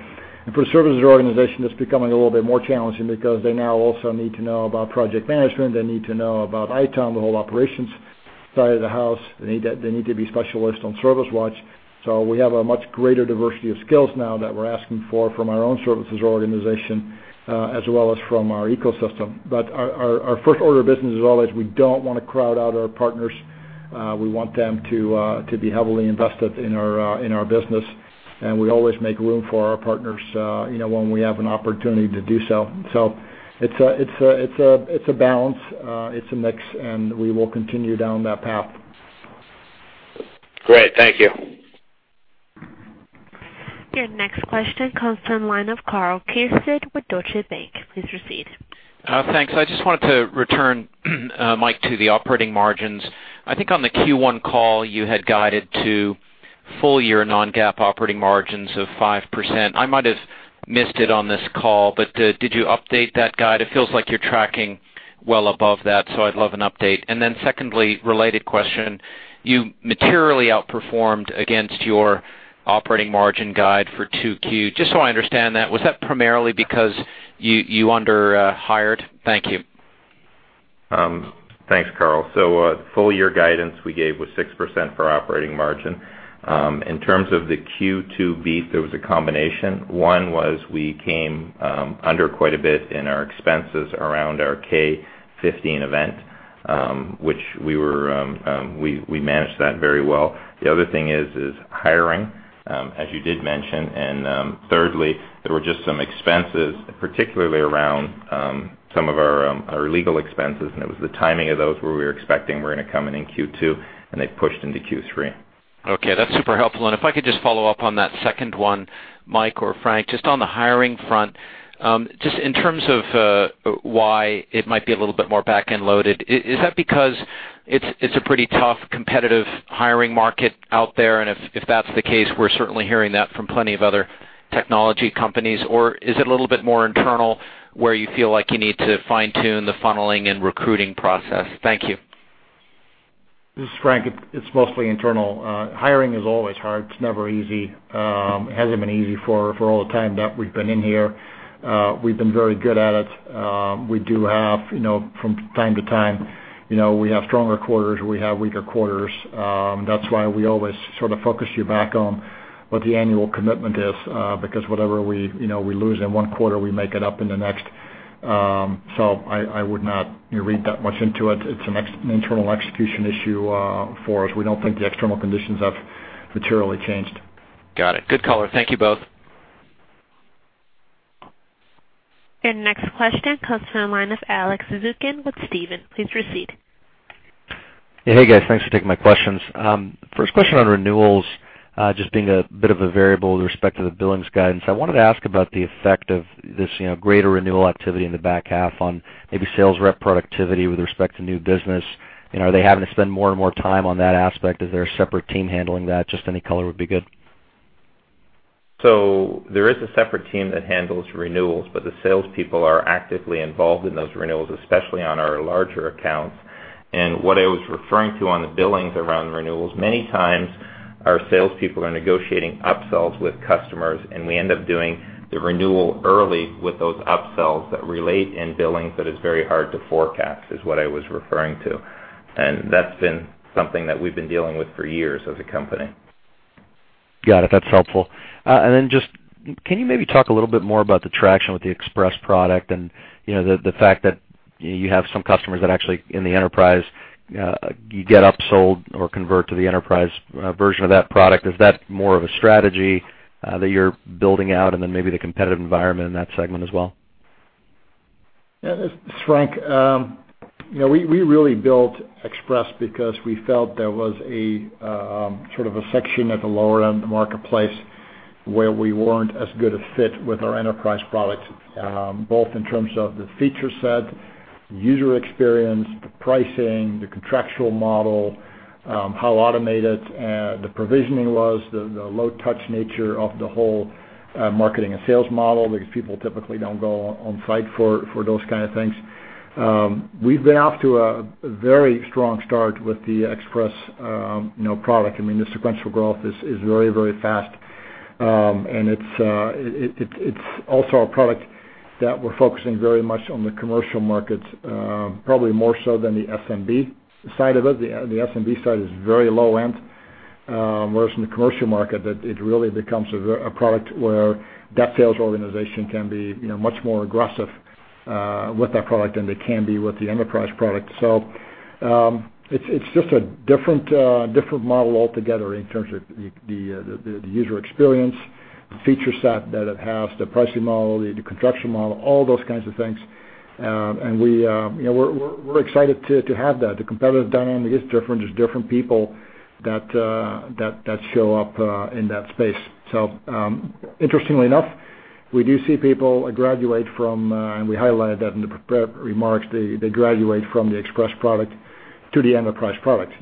For a services organization, that's becoming a little bit more challenging because they now also need to know about project management. They need to know about ITOM, the whole operations side of the house. They need to be specialists on ServiceWatch. We have a much greater diversity of skills now that we're asking for from our own services organization, as well as from our ecosystem. Our first order of business is always we don't want to crowd out our partners. We want them to be heavily invested in our business, and we always make room for our partners when we have an opportunity to do so. It's a balance. It's a mix, and we will continue down that path.
Great. Thank you.
Your next question comes from the line of Karl Keirstead with Deutsche Bank. Please proceed.
Thanks. I just wanted to return, Mike, to the operating margins. I think on the Q1 call, you had guided to full-year non-GAAP operating margins of 5%. I might have missed it on this call, but did you update that guide? It feels like you're tracking well above that. I'd love an update. Secondly, related question. You materially outperformed against your operating margin guide for 2Q. Just so I understand that, was that primarily because you underhired? Thank you.
Thanks, Karl. Full-year guidance we gave was 6% for operating margin. In terms of the Q2 beat, there was a combination. One was we came under quite a bit in our expenses around our Knowledge15 event, which we managed that very well. The other thing is hiring, as you did mention. Thirdly, there were just some expenses, particularly around some of our legal expenses, and it was the timing of those where we were expecting were going to come in Q2, and they pushed into Q3.
That's super helpful. If I could just follow up on that second one, Mike or Frank, just on the hiring front. Just in terms of why it might be a little bit more back-end loaded, is that because it's a pretty tough competitive hiring market out there, and if that's the case, we're certainly hearing that from plenty of other technology companies? Is it a little bit more internal where you feel like you need to fine-tune the funneling and recruiting process? Thank you.
This is Frank. It's mostly internal. Hiring is always hard. It's never easy. It hasn't been easy for all the time that we've been in here. We've been very good at it. From time to time, we have stronger quarters, we have weaker quarters. That's why we always sort of focus you back on what the annual commitment is, because whatever we lose in one quarter, we make it up in the next. I would not read that much into it. It's an internal execution issue for us. We don't think the external conditions have materially changed.
Got it. Good color. Thank you both.
Your next question comes from the line of Alex Zukin with Stephens. Please proceed.
Hey, guys. Thanks for taking my questions. First question on renewals, just being a bit of a variable with respect to the billings guidance. I wanted to ask about the effect of this greater renewal activity in the back half on maybe sales rep productivity with respect to new business. Are they having to spend more and more time on that aspect? Is there a separate team handling that? Just any color would be good.
There is a separate team that handles renewals, but the salespeople are actively involved in those renewals, especially on our larger accounts. What I was referring to on the billings around renewals, many times our salespeople are negotiating upsells with customers, and we end up doing the renewal early with those upsells that relate in billings that is very hard to forecast, is what I was referring to. That's been something that we've been dealing with for years as a company.
Got it. That's helpful. Just can you maybe talk a little bit more about the traction with the Express product and the fact that you have some customers that actually in the enterprise, you get upsold or convert to the enterprise version of that product. Is that more of a strategy that you're building out? Maybe the competitive environment in that segment as well.
Yeah. This is Frank. We really built Express because we felt there was a sort of a section at the lower end of the marketplace where we weren't as good a fit with our enterprise products, both in terms of the feature set, the user experience, the pricing, the contractual model, how automated the provisioning was, the low touch nature of the whole marketing and sales model, because people typically don't go on site for those kind of things. We've been off to a very strong start with the Express product. The sequential growth is very fast. It's also a product that we're focusing very much on the commercial markets, probably more so than the SMB side of it. The SMB side is very low end, whereas in the commercial market, it really becomes a product where that sales organization can be much more aggressive with that product than they can be with the enterprise product. It's just a different model altogether in terms of the user experience, the feature set that it has, the pricing model, the contractual model, all those kinds of things. We're excited to have that. The competitive dynamic is different. There's different people that show up in that space. Interestingly enough, we do see people graduate from, and we highlighted that in the prepared remarks, they graduate from the Express product to the enterprise product.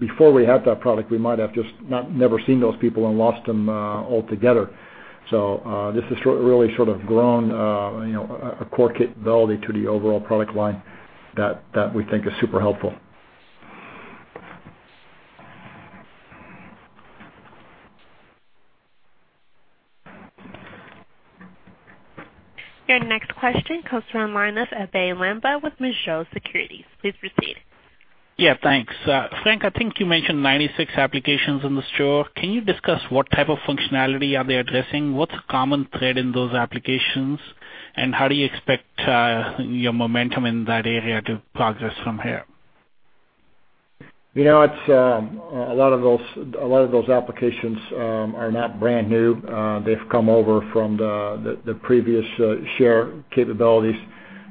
Before we had that product, we might have just never seen those people and lost them altogether. This has really sort of grown a core capability to the overall product line that we think is super helpful.
Your next question comes from Linus Abayomi with Mizuho Securities. Please proceed.
Yeah, thanks. Frank, I think you mentioned 96 applications in the ServiceNow Store. Can you discuss what type of functionality are they addressing? What's the common thread in those applications, and how do you expect your momentum in that area to progress from here?
A lot of those applications are not brand new. They've come over from the previous share capabilities.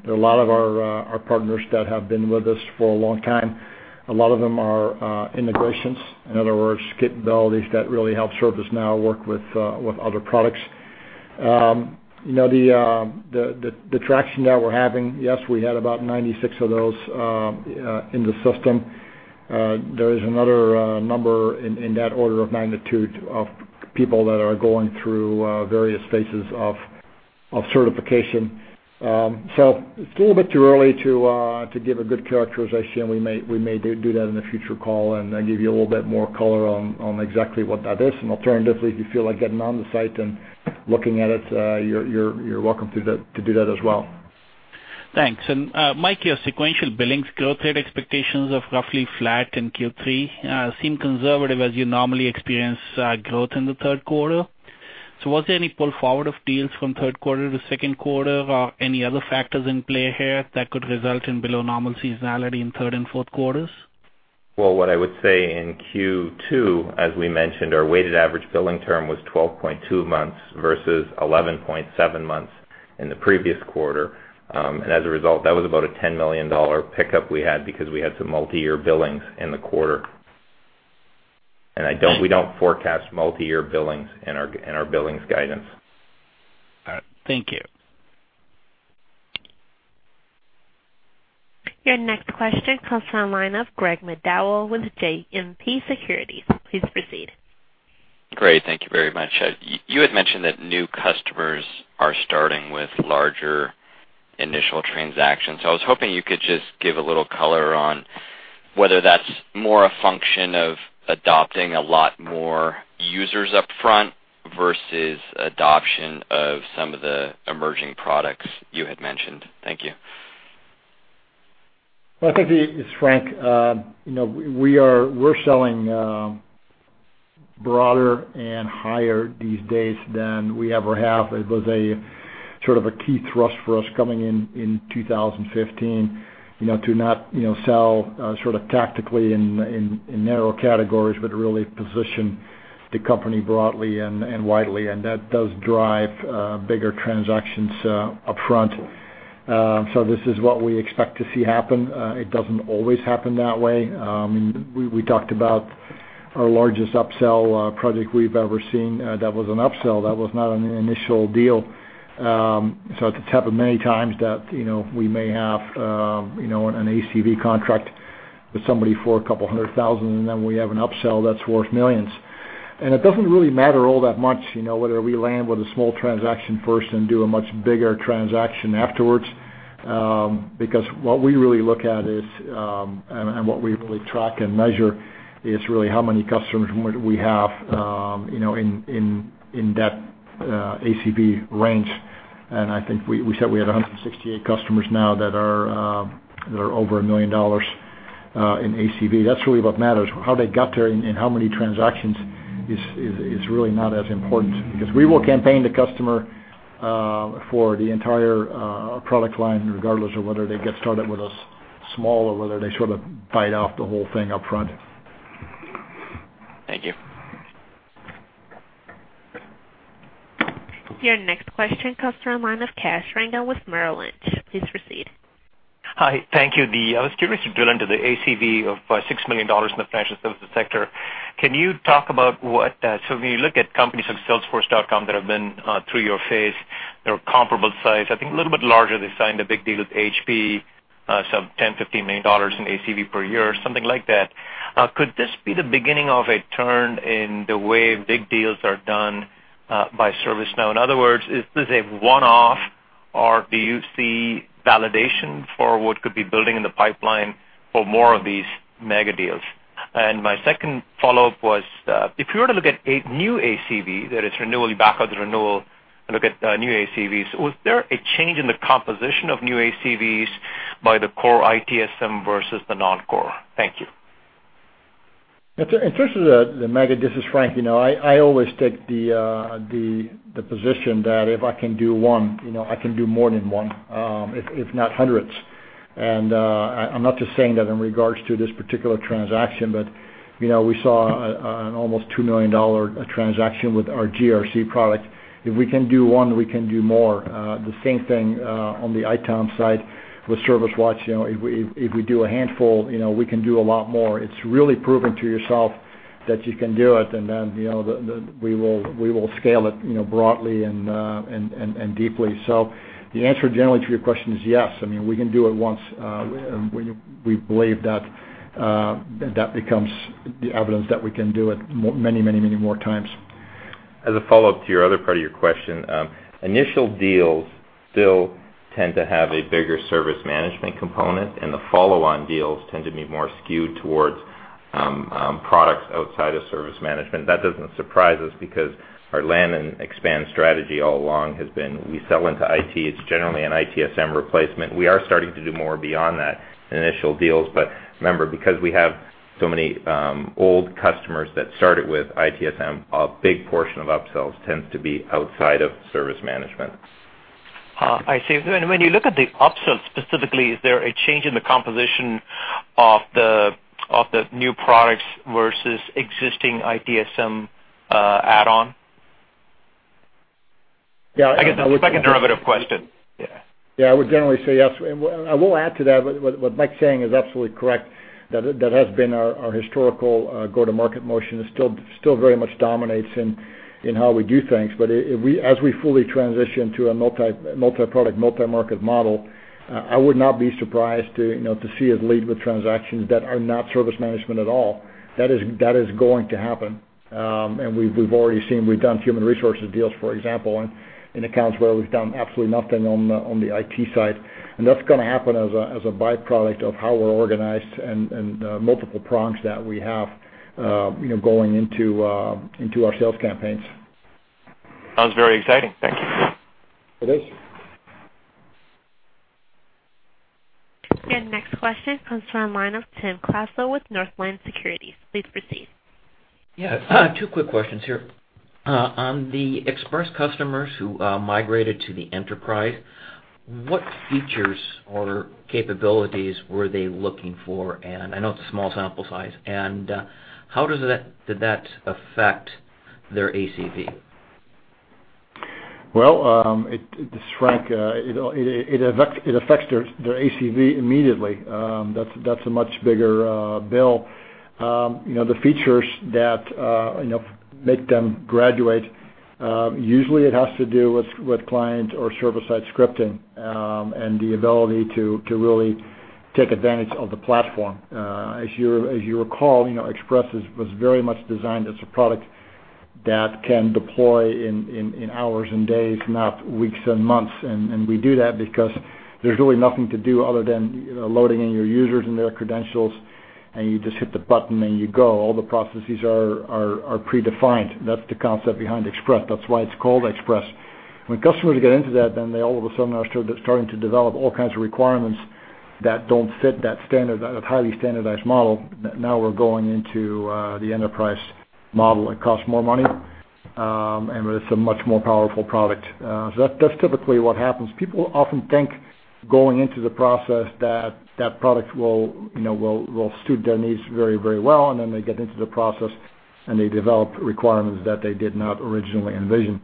There are a lot of our partners that have been with us for a long time. A lot of them are integrations. In other words, capabilities that really help ServiceNow work with other products. The traction that we're having, yes, we had about 96 of those in the system. There is another number in that order of magnitude of people that are going through various phases of certification. It's a little bit too early to give a good characterization. We may do that in a future call and then give you a little bit more color on exactly what that is. Alternatively, if you feel like getting on the site and looking at it, you're welcome to do that as well.
Thanks. Mike, your sequential billings growth rate expectations of roughly flat in Q3 seem conservative as you normally experience growth in the third quarter. Was there any pull forward of deals from third quarter to second quarter or any other factors in play here that could result in below normal seasonality in third and fourth quarters?
Well, what I would say in Q2, as we mentioned, our weighted average billing term was 12.2 months versus 11.7 months in the previous quarter. As a result, that was about a $10 million pickup we had because we had some multi-year billings in the quarter. We don't forecast multi-year billings in our billings guidance.
All right. Thank you.
Your next question comes from line of Greg McDowell with JMP Securities. Please proceed.
Great. Thank you very much. You had mentioned that new customers are starting with larger initial transactions. I was hoping you could just give a little color on whether that's more a function of adopting a lot more users upfront versus adoption of some of the emerging products you had mentioned. Thank you.
Well, I think, this is Frank. We're selling broader and higher these days than we ever have. It was a sort of a key thrust for us coming in 2015, to not sell sort of tactically in narrow categories, but really position the company broadly and widely, and that does drive bigger transactions upfront. This is what we expect to see happen. It doesn't always happen that way. We talked about our largest upsell project we've ever seen. That was an upsell. That was not an initial deal. It's happened many times that we may have an ACV contract with somebody for a couple hundred thousand, and then we have an upsell that's worth millions. It doesn't really matter all that much, whether we land with a small transaction first and do a much bigger transaction afterwards, because what we really look at is, and what we really track and measure, is really how many customers we have in that ACV range. I think we said we had 168 customers now that are over $1 million in ACV. That's really what matters. How they got there and how many transactions is really not as important, because we will campaign the customer for the entire product line, regardless of whether they get started with us small or whether they sort of bite off the whole thing upfront.
Thank you.
Your next question comes from line of Kash Rangan with Merrill Lynch. Please proceed.
Hi, thank you. I was curious to drill into the ACV of $6 million in the financial services sector. Can you talk about when you look at companies like Salesforce that have been through your phase, they're a comparable size, I think a little bit larger. They signed a big deal with HP, some $10 million-$15 million in ACV per year, something like that. Could this be the beginning of a turn in the way big deals are done by ServiceNow? In other words, is this a one-off, or do you see validation for what could be building in the pipeline for more of these mega deals? My second follow-up was, if you were to look at a new ACV that is renewally back on the renewal and look at new ACVs, was there a change in the composition of new ACVs by the core ITSM versus the non-core? Thank you.
In terms of the mega, this is Frank. I always take the position that if I can do one, I can do more than one, if not hundreds. I'm not just saying that in regards to this particular transaction, but we saw an almost $2 million transaction with our GRC product. If we can do one, we can do more. The same thing on the ITOM side with ServiceWatch. If we do a handful, we can do a lot more. It's really proving to yourself that you can do it, and then we will scale it broadly and deeply. The answer generally to your question is yes. I mean, we can do it once. We believe that becomes the evidence that we can do it many more times.
As a follow-up to your other part of your question. Initial deals still tend to have a bigger service management component, the follow-on deals tend to be more skewed towards products outside of service management. That doesn't surprise us because our land and expand strategy all along has been, we sell into IT, it's generally an ITSM replacement. We are starting to do more beyond that initial deals. Remember, because we have so many old customers that started with ITSM, a big portion of upsells tends to be outside of service management.
I see. When you look at the upsells specifically, is there a change in the composition of the new products versus existing ITSM add-on?
Yeah-
I guess that's a second derivative question. Yeah.
Yeah, I would generally say yes. I will add to that, what Mike's saying is absolutely correct, that has been our historical go-to-market motion and still very much dominates in how we do things. As we fully transition to a multi-product, multi-market model, I would not be surprised to see us lead with transactions that are not service management at all. That is going to happen. We've already seen, we've done human resources deals, for example, in accounts where we've done absolutely nothing on the IT side. That's going to happen as a byproduct of how we're organized and the multiple prongs that we have going into our sales campaigns.
Sounds very exciting. Thank you.
It is.
Next question comes from line of Timothy Klasell with Northland Securities. Please proceed.
Yeah. Two quick questions here. On the Express customers who migrated to the Enterprise, what features or capabilities were they looking for? I know it's a small sample size. How did that affect their ACV?
Well, this is Frank. It affects their ACV immediately. That's a much bigger bill. The features that make them graduate, usually it has to do with client or server-side scripting, and the ability to really take advantage of the platform. As you recall, Express was very much designed as a product that can deploy in hours and days, not weeks and months. We do that because there's really nothing to do other than loading in your users and their credentials, and you just hit the button, and you go. All the processes are predefined. That's the concept behind Express. That's why it's called Express. When customers get into that, then they all of a sudden are starting to develop all kinds of requirements that don't fit that highly standardized model. Now we're going into the enterprise model. It costs more money, and it's a much more powerful product. That's typically what happens. People often think going into the process that that product will suit their needs very well, and then they get into the process, and they develop requirements that they did not originally envision.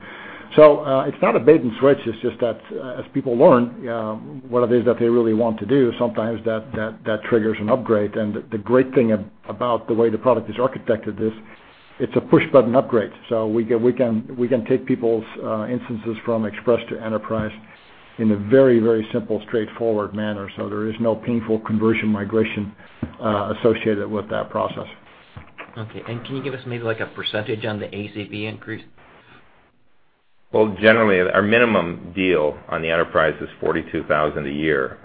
It's not a bait and switch. It's just that as people learn what it is that they really want to do, sometimes that triggers an upgrade. The great thing about the way the product is architected is It's a push-button upgrade. We can take people's instances from Express to Enterprise in a very simple, straightforward manner. There is no painful conversion migration associated with that process.
Okay. Can you give us maybe a percentage on the ACV increase?
Well, generally, our minimum deal on the Enterprise is $42,000 a year.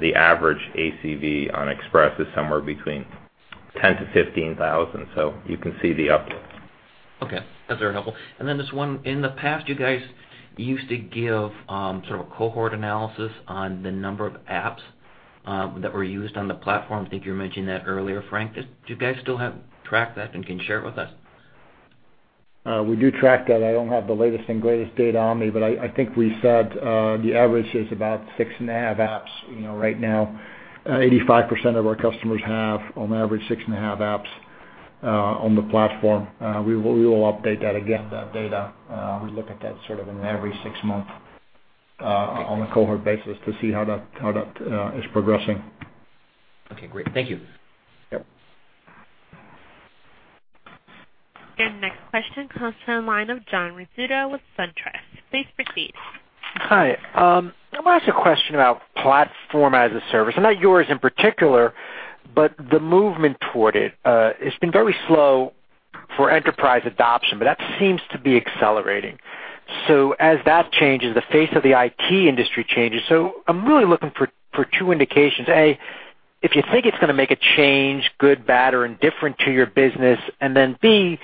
The average ACV on Express is somewhere between $10,000 to $15,000. You can see the uplift.
Okay. That's very helpful. Then just one, in the past, you guys used to give sort of a cohort analysis on the number of apps that were used on the platform. I think you mentioned that earlier, Frank. Do you guys still track that and can share it with us?
We do track that. I don't have the latest and greatest data on me, but I think we said, the average is about six and a half apps. Right now, 85% of our customers have, on average, six and a half apps on the platform. We will update that again, that data. We look at that sort of in every six months on a cohort basis to see how that is progressing.
Okay, great. Thank you.
Yep.
Your next question comes from the line of John Rizzuto with SunTrust. Please proceed.
Hi. I want to ask a question about Platform as a Service, not yours in particular, but the movement toward it. It's been very slow for enterprise adoption, but that seems to be accelerating. As that changes, the face of the IT industry changes. I'm really looking for two indications. A, if you think it's going to make a change, good, bad, or indifferent to your business, and then B,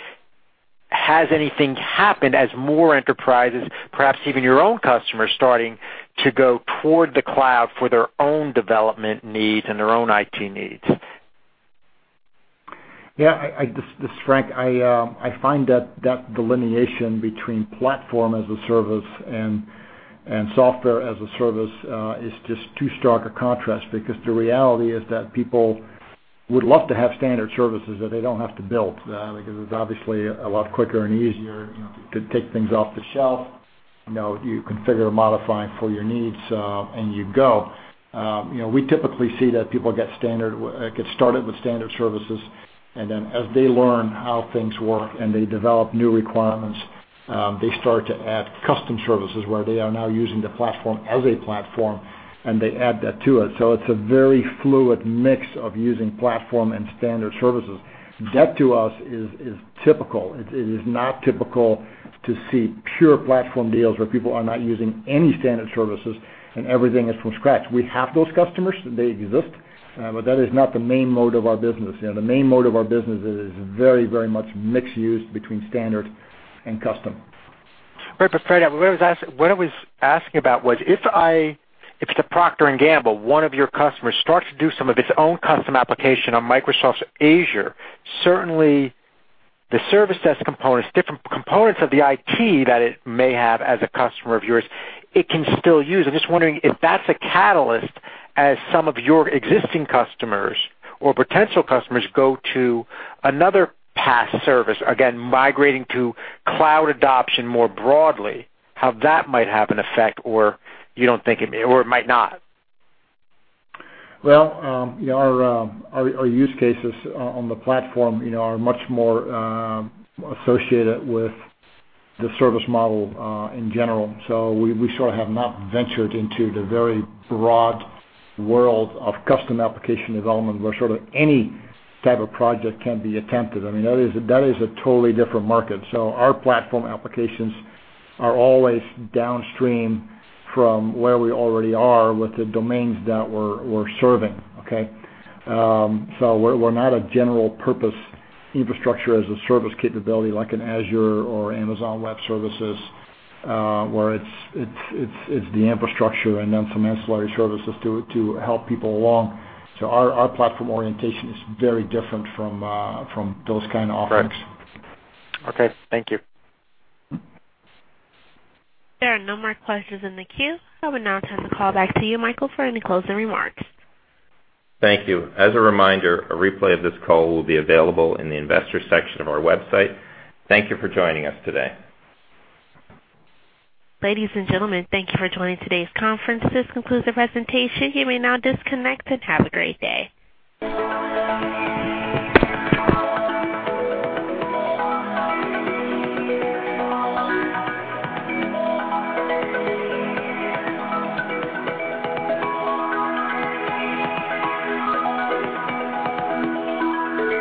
has anything happened as more enterprises, perhaps even your own customers starting to go toward the cloud for their own development needs and their own IT needs?
Yeah. This is Frank. I find that delineation between Platform as a Service and Software as a Service is just too stark a contrast because the reality is that people would love to have standard services that they don't have to build because it's obviously a lot quicker and easier to take things off the shelf. You configure, modify for your needs, and you go. We typically see that people get started with standard services, and then as they learn how things work and they develop new requirements, they start to add custom services where they are now using the platform as a platform, and they add that to it. It's a very fluid mix of using platform and standard services. That, to us, is typical. It is not typical to see pure platform deals where people are not using any standard services and everything is from scratch. We have those customers, they exist, that is not the main mode of our business. The main mode of our business is very much mixed use between standard and custom.
Right. Frank, what I was asking about was, if the Procter & Gamble, one of your customers, starts to do some of its own custom application on Microsoft's Azure, certainly the service desk components, different components of the IT that it may have as a customer of yours, it can still use. I'm just wondering if that's a catalyst as some of your existing customers or potential customers go to another PaaS service, again, migrating to cloud adoption more broadly, how that might have an effect, or you don't think it may, or it might not.
Well, our use cases on the platform are much more associated with the service model in general. We sort of have not ventured into the very broad world of custom application development where sort of any type of project can be attempted. I mean, that is a totally different market. Our platform applications are always downstream from where we already are with the domains that we're serving. Okay? We're not a general purpose Infrastructure as a Service capability like an Azure or Amazon Web Services, where it's the infrastructure and then some ancillary services to help people along. Our platform orientation is very different from those kind of offerings.
Correct. Okay. Thank you.
There are no more questions in the queue. I will now turn the call back to you, Michael, for any closing remarks.
Thank you. As a reminder, a replay of this call will be available in the Investors section of our website. Thank you for joining us today.
Ladies and gentlemen, thank you for joining today's conference. This concludes the presentation. You may now disconnect and have a great day.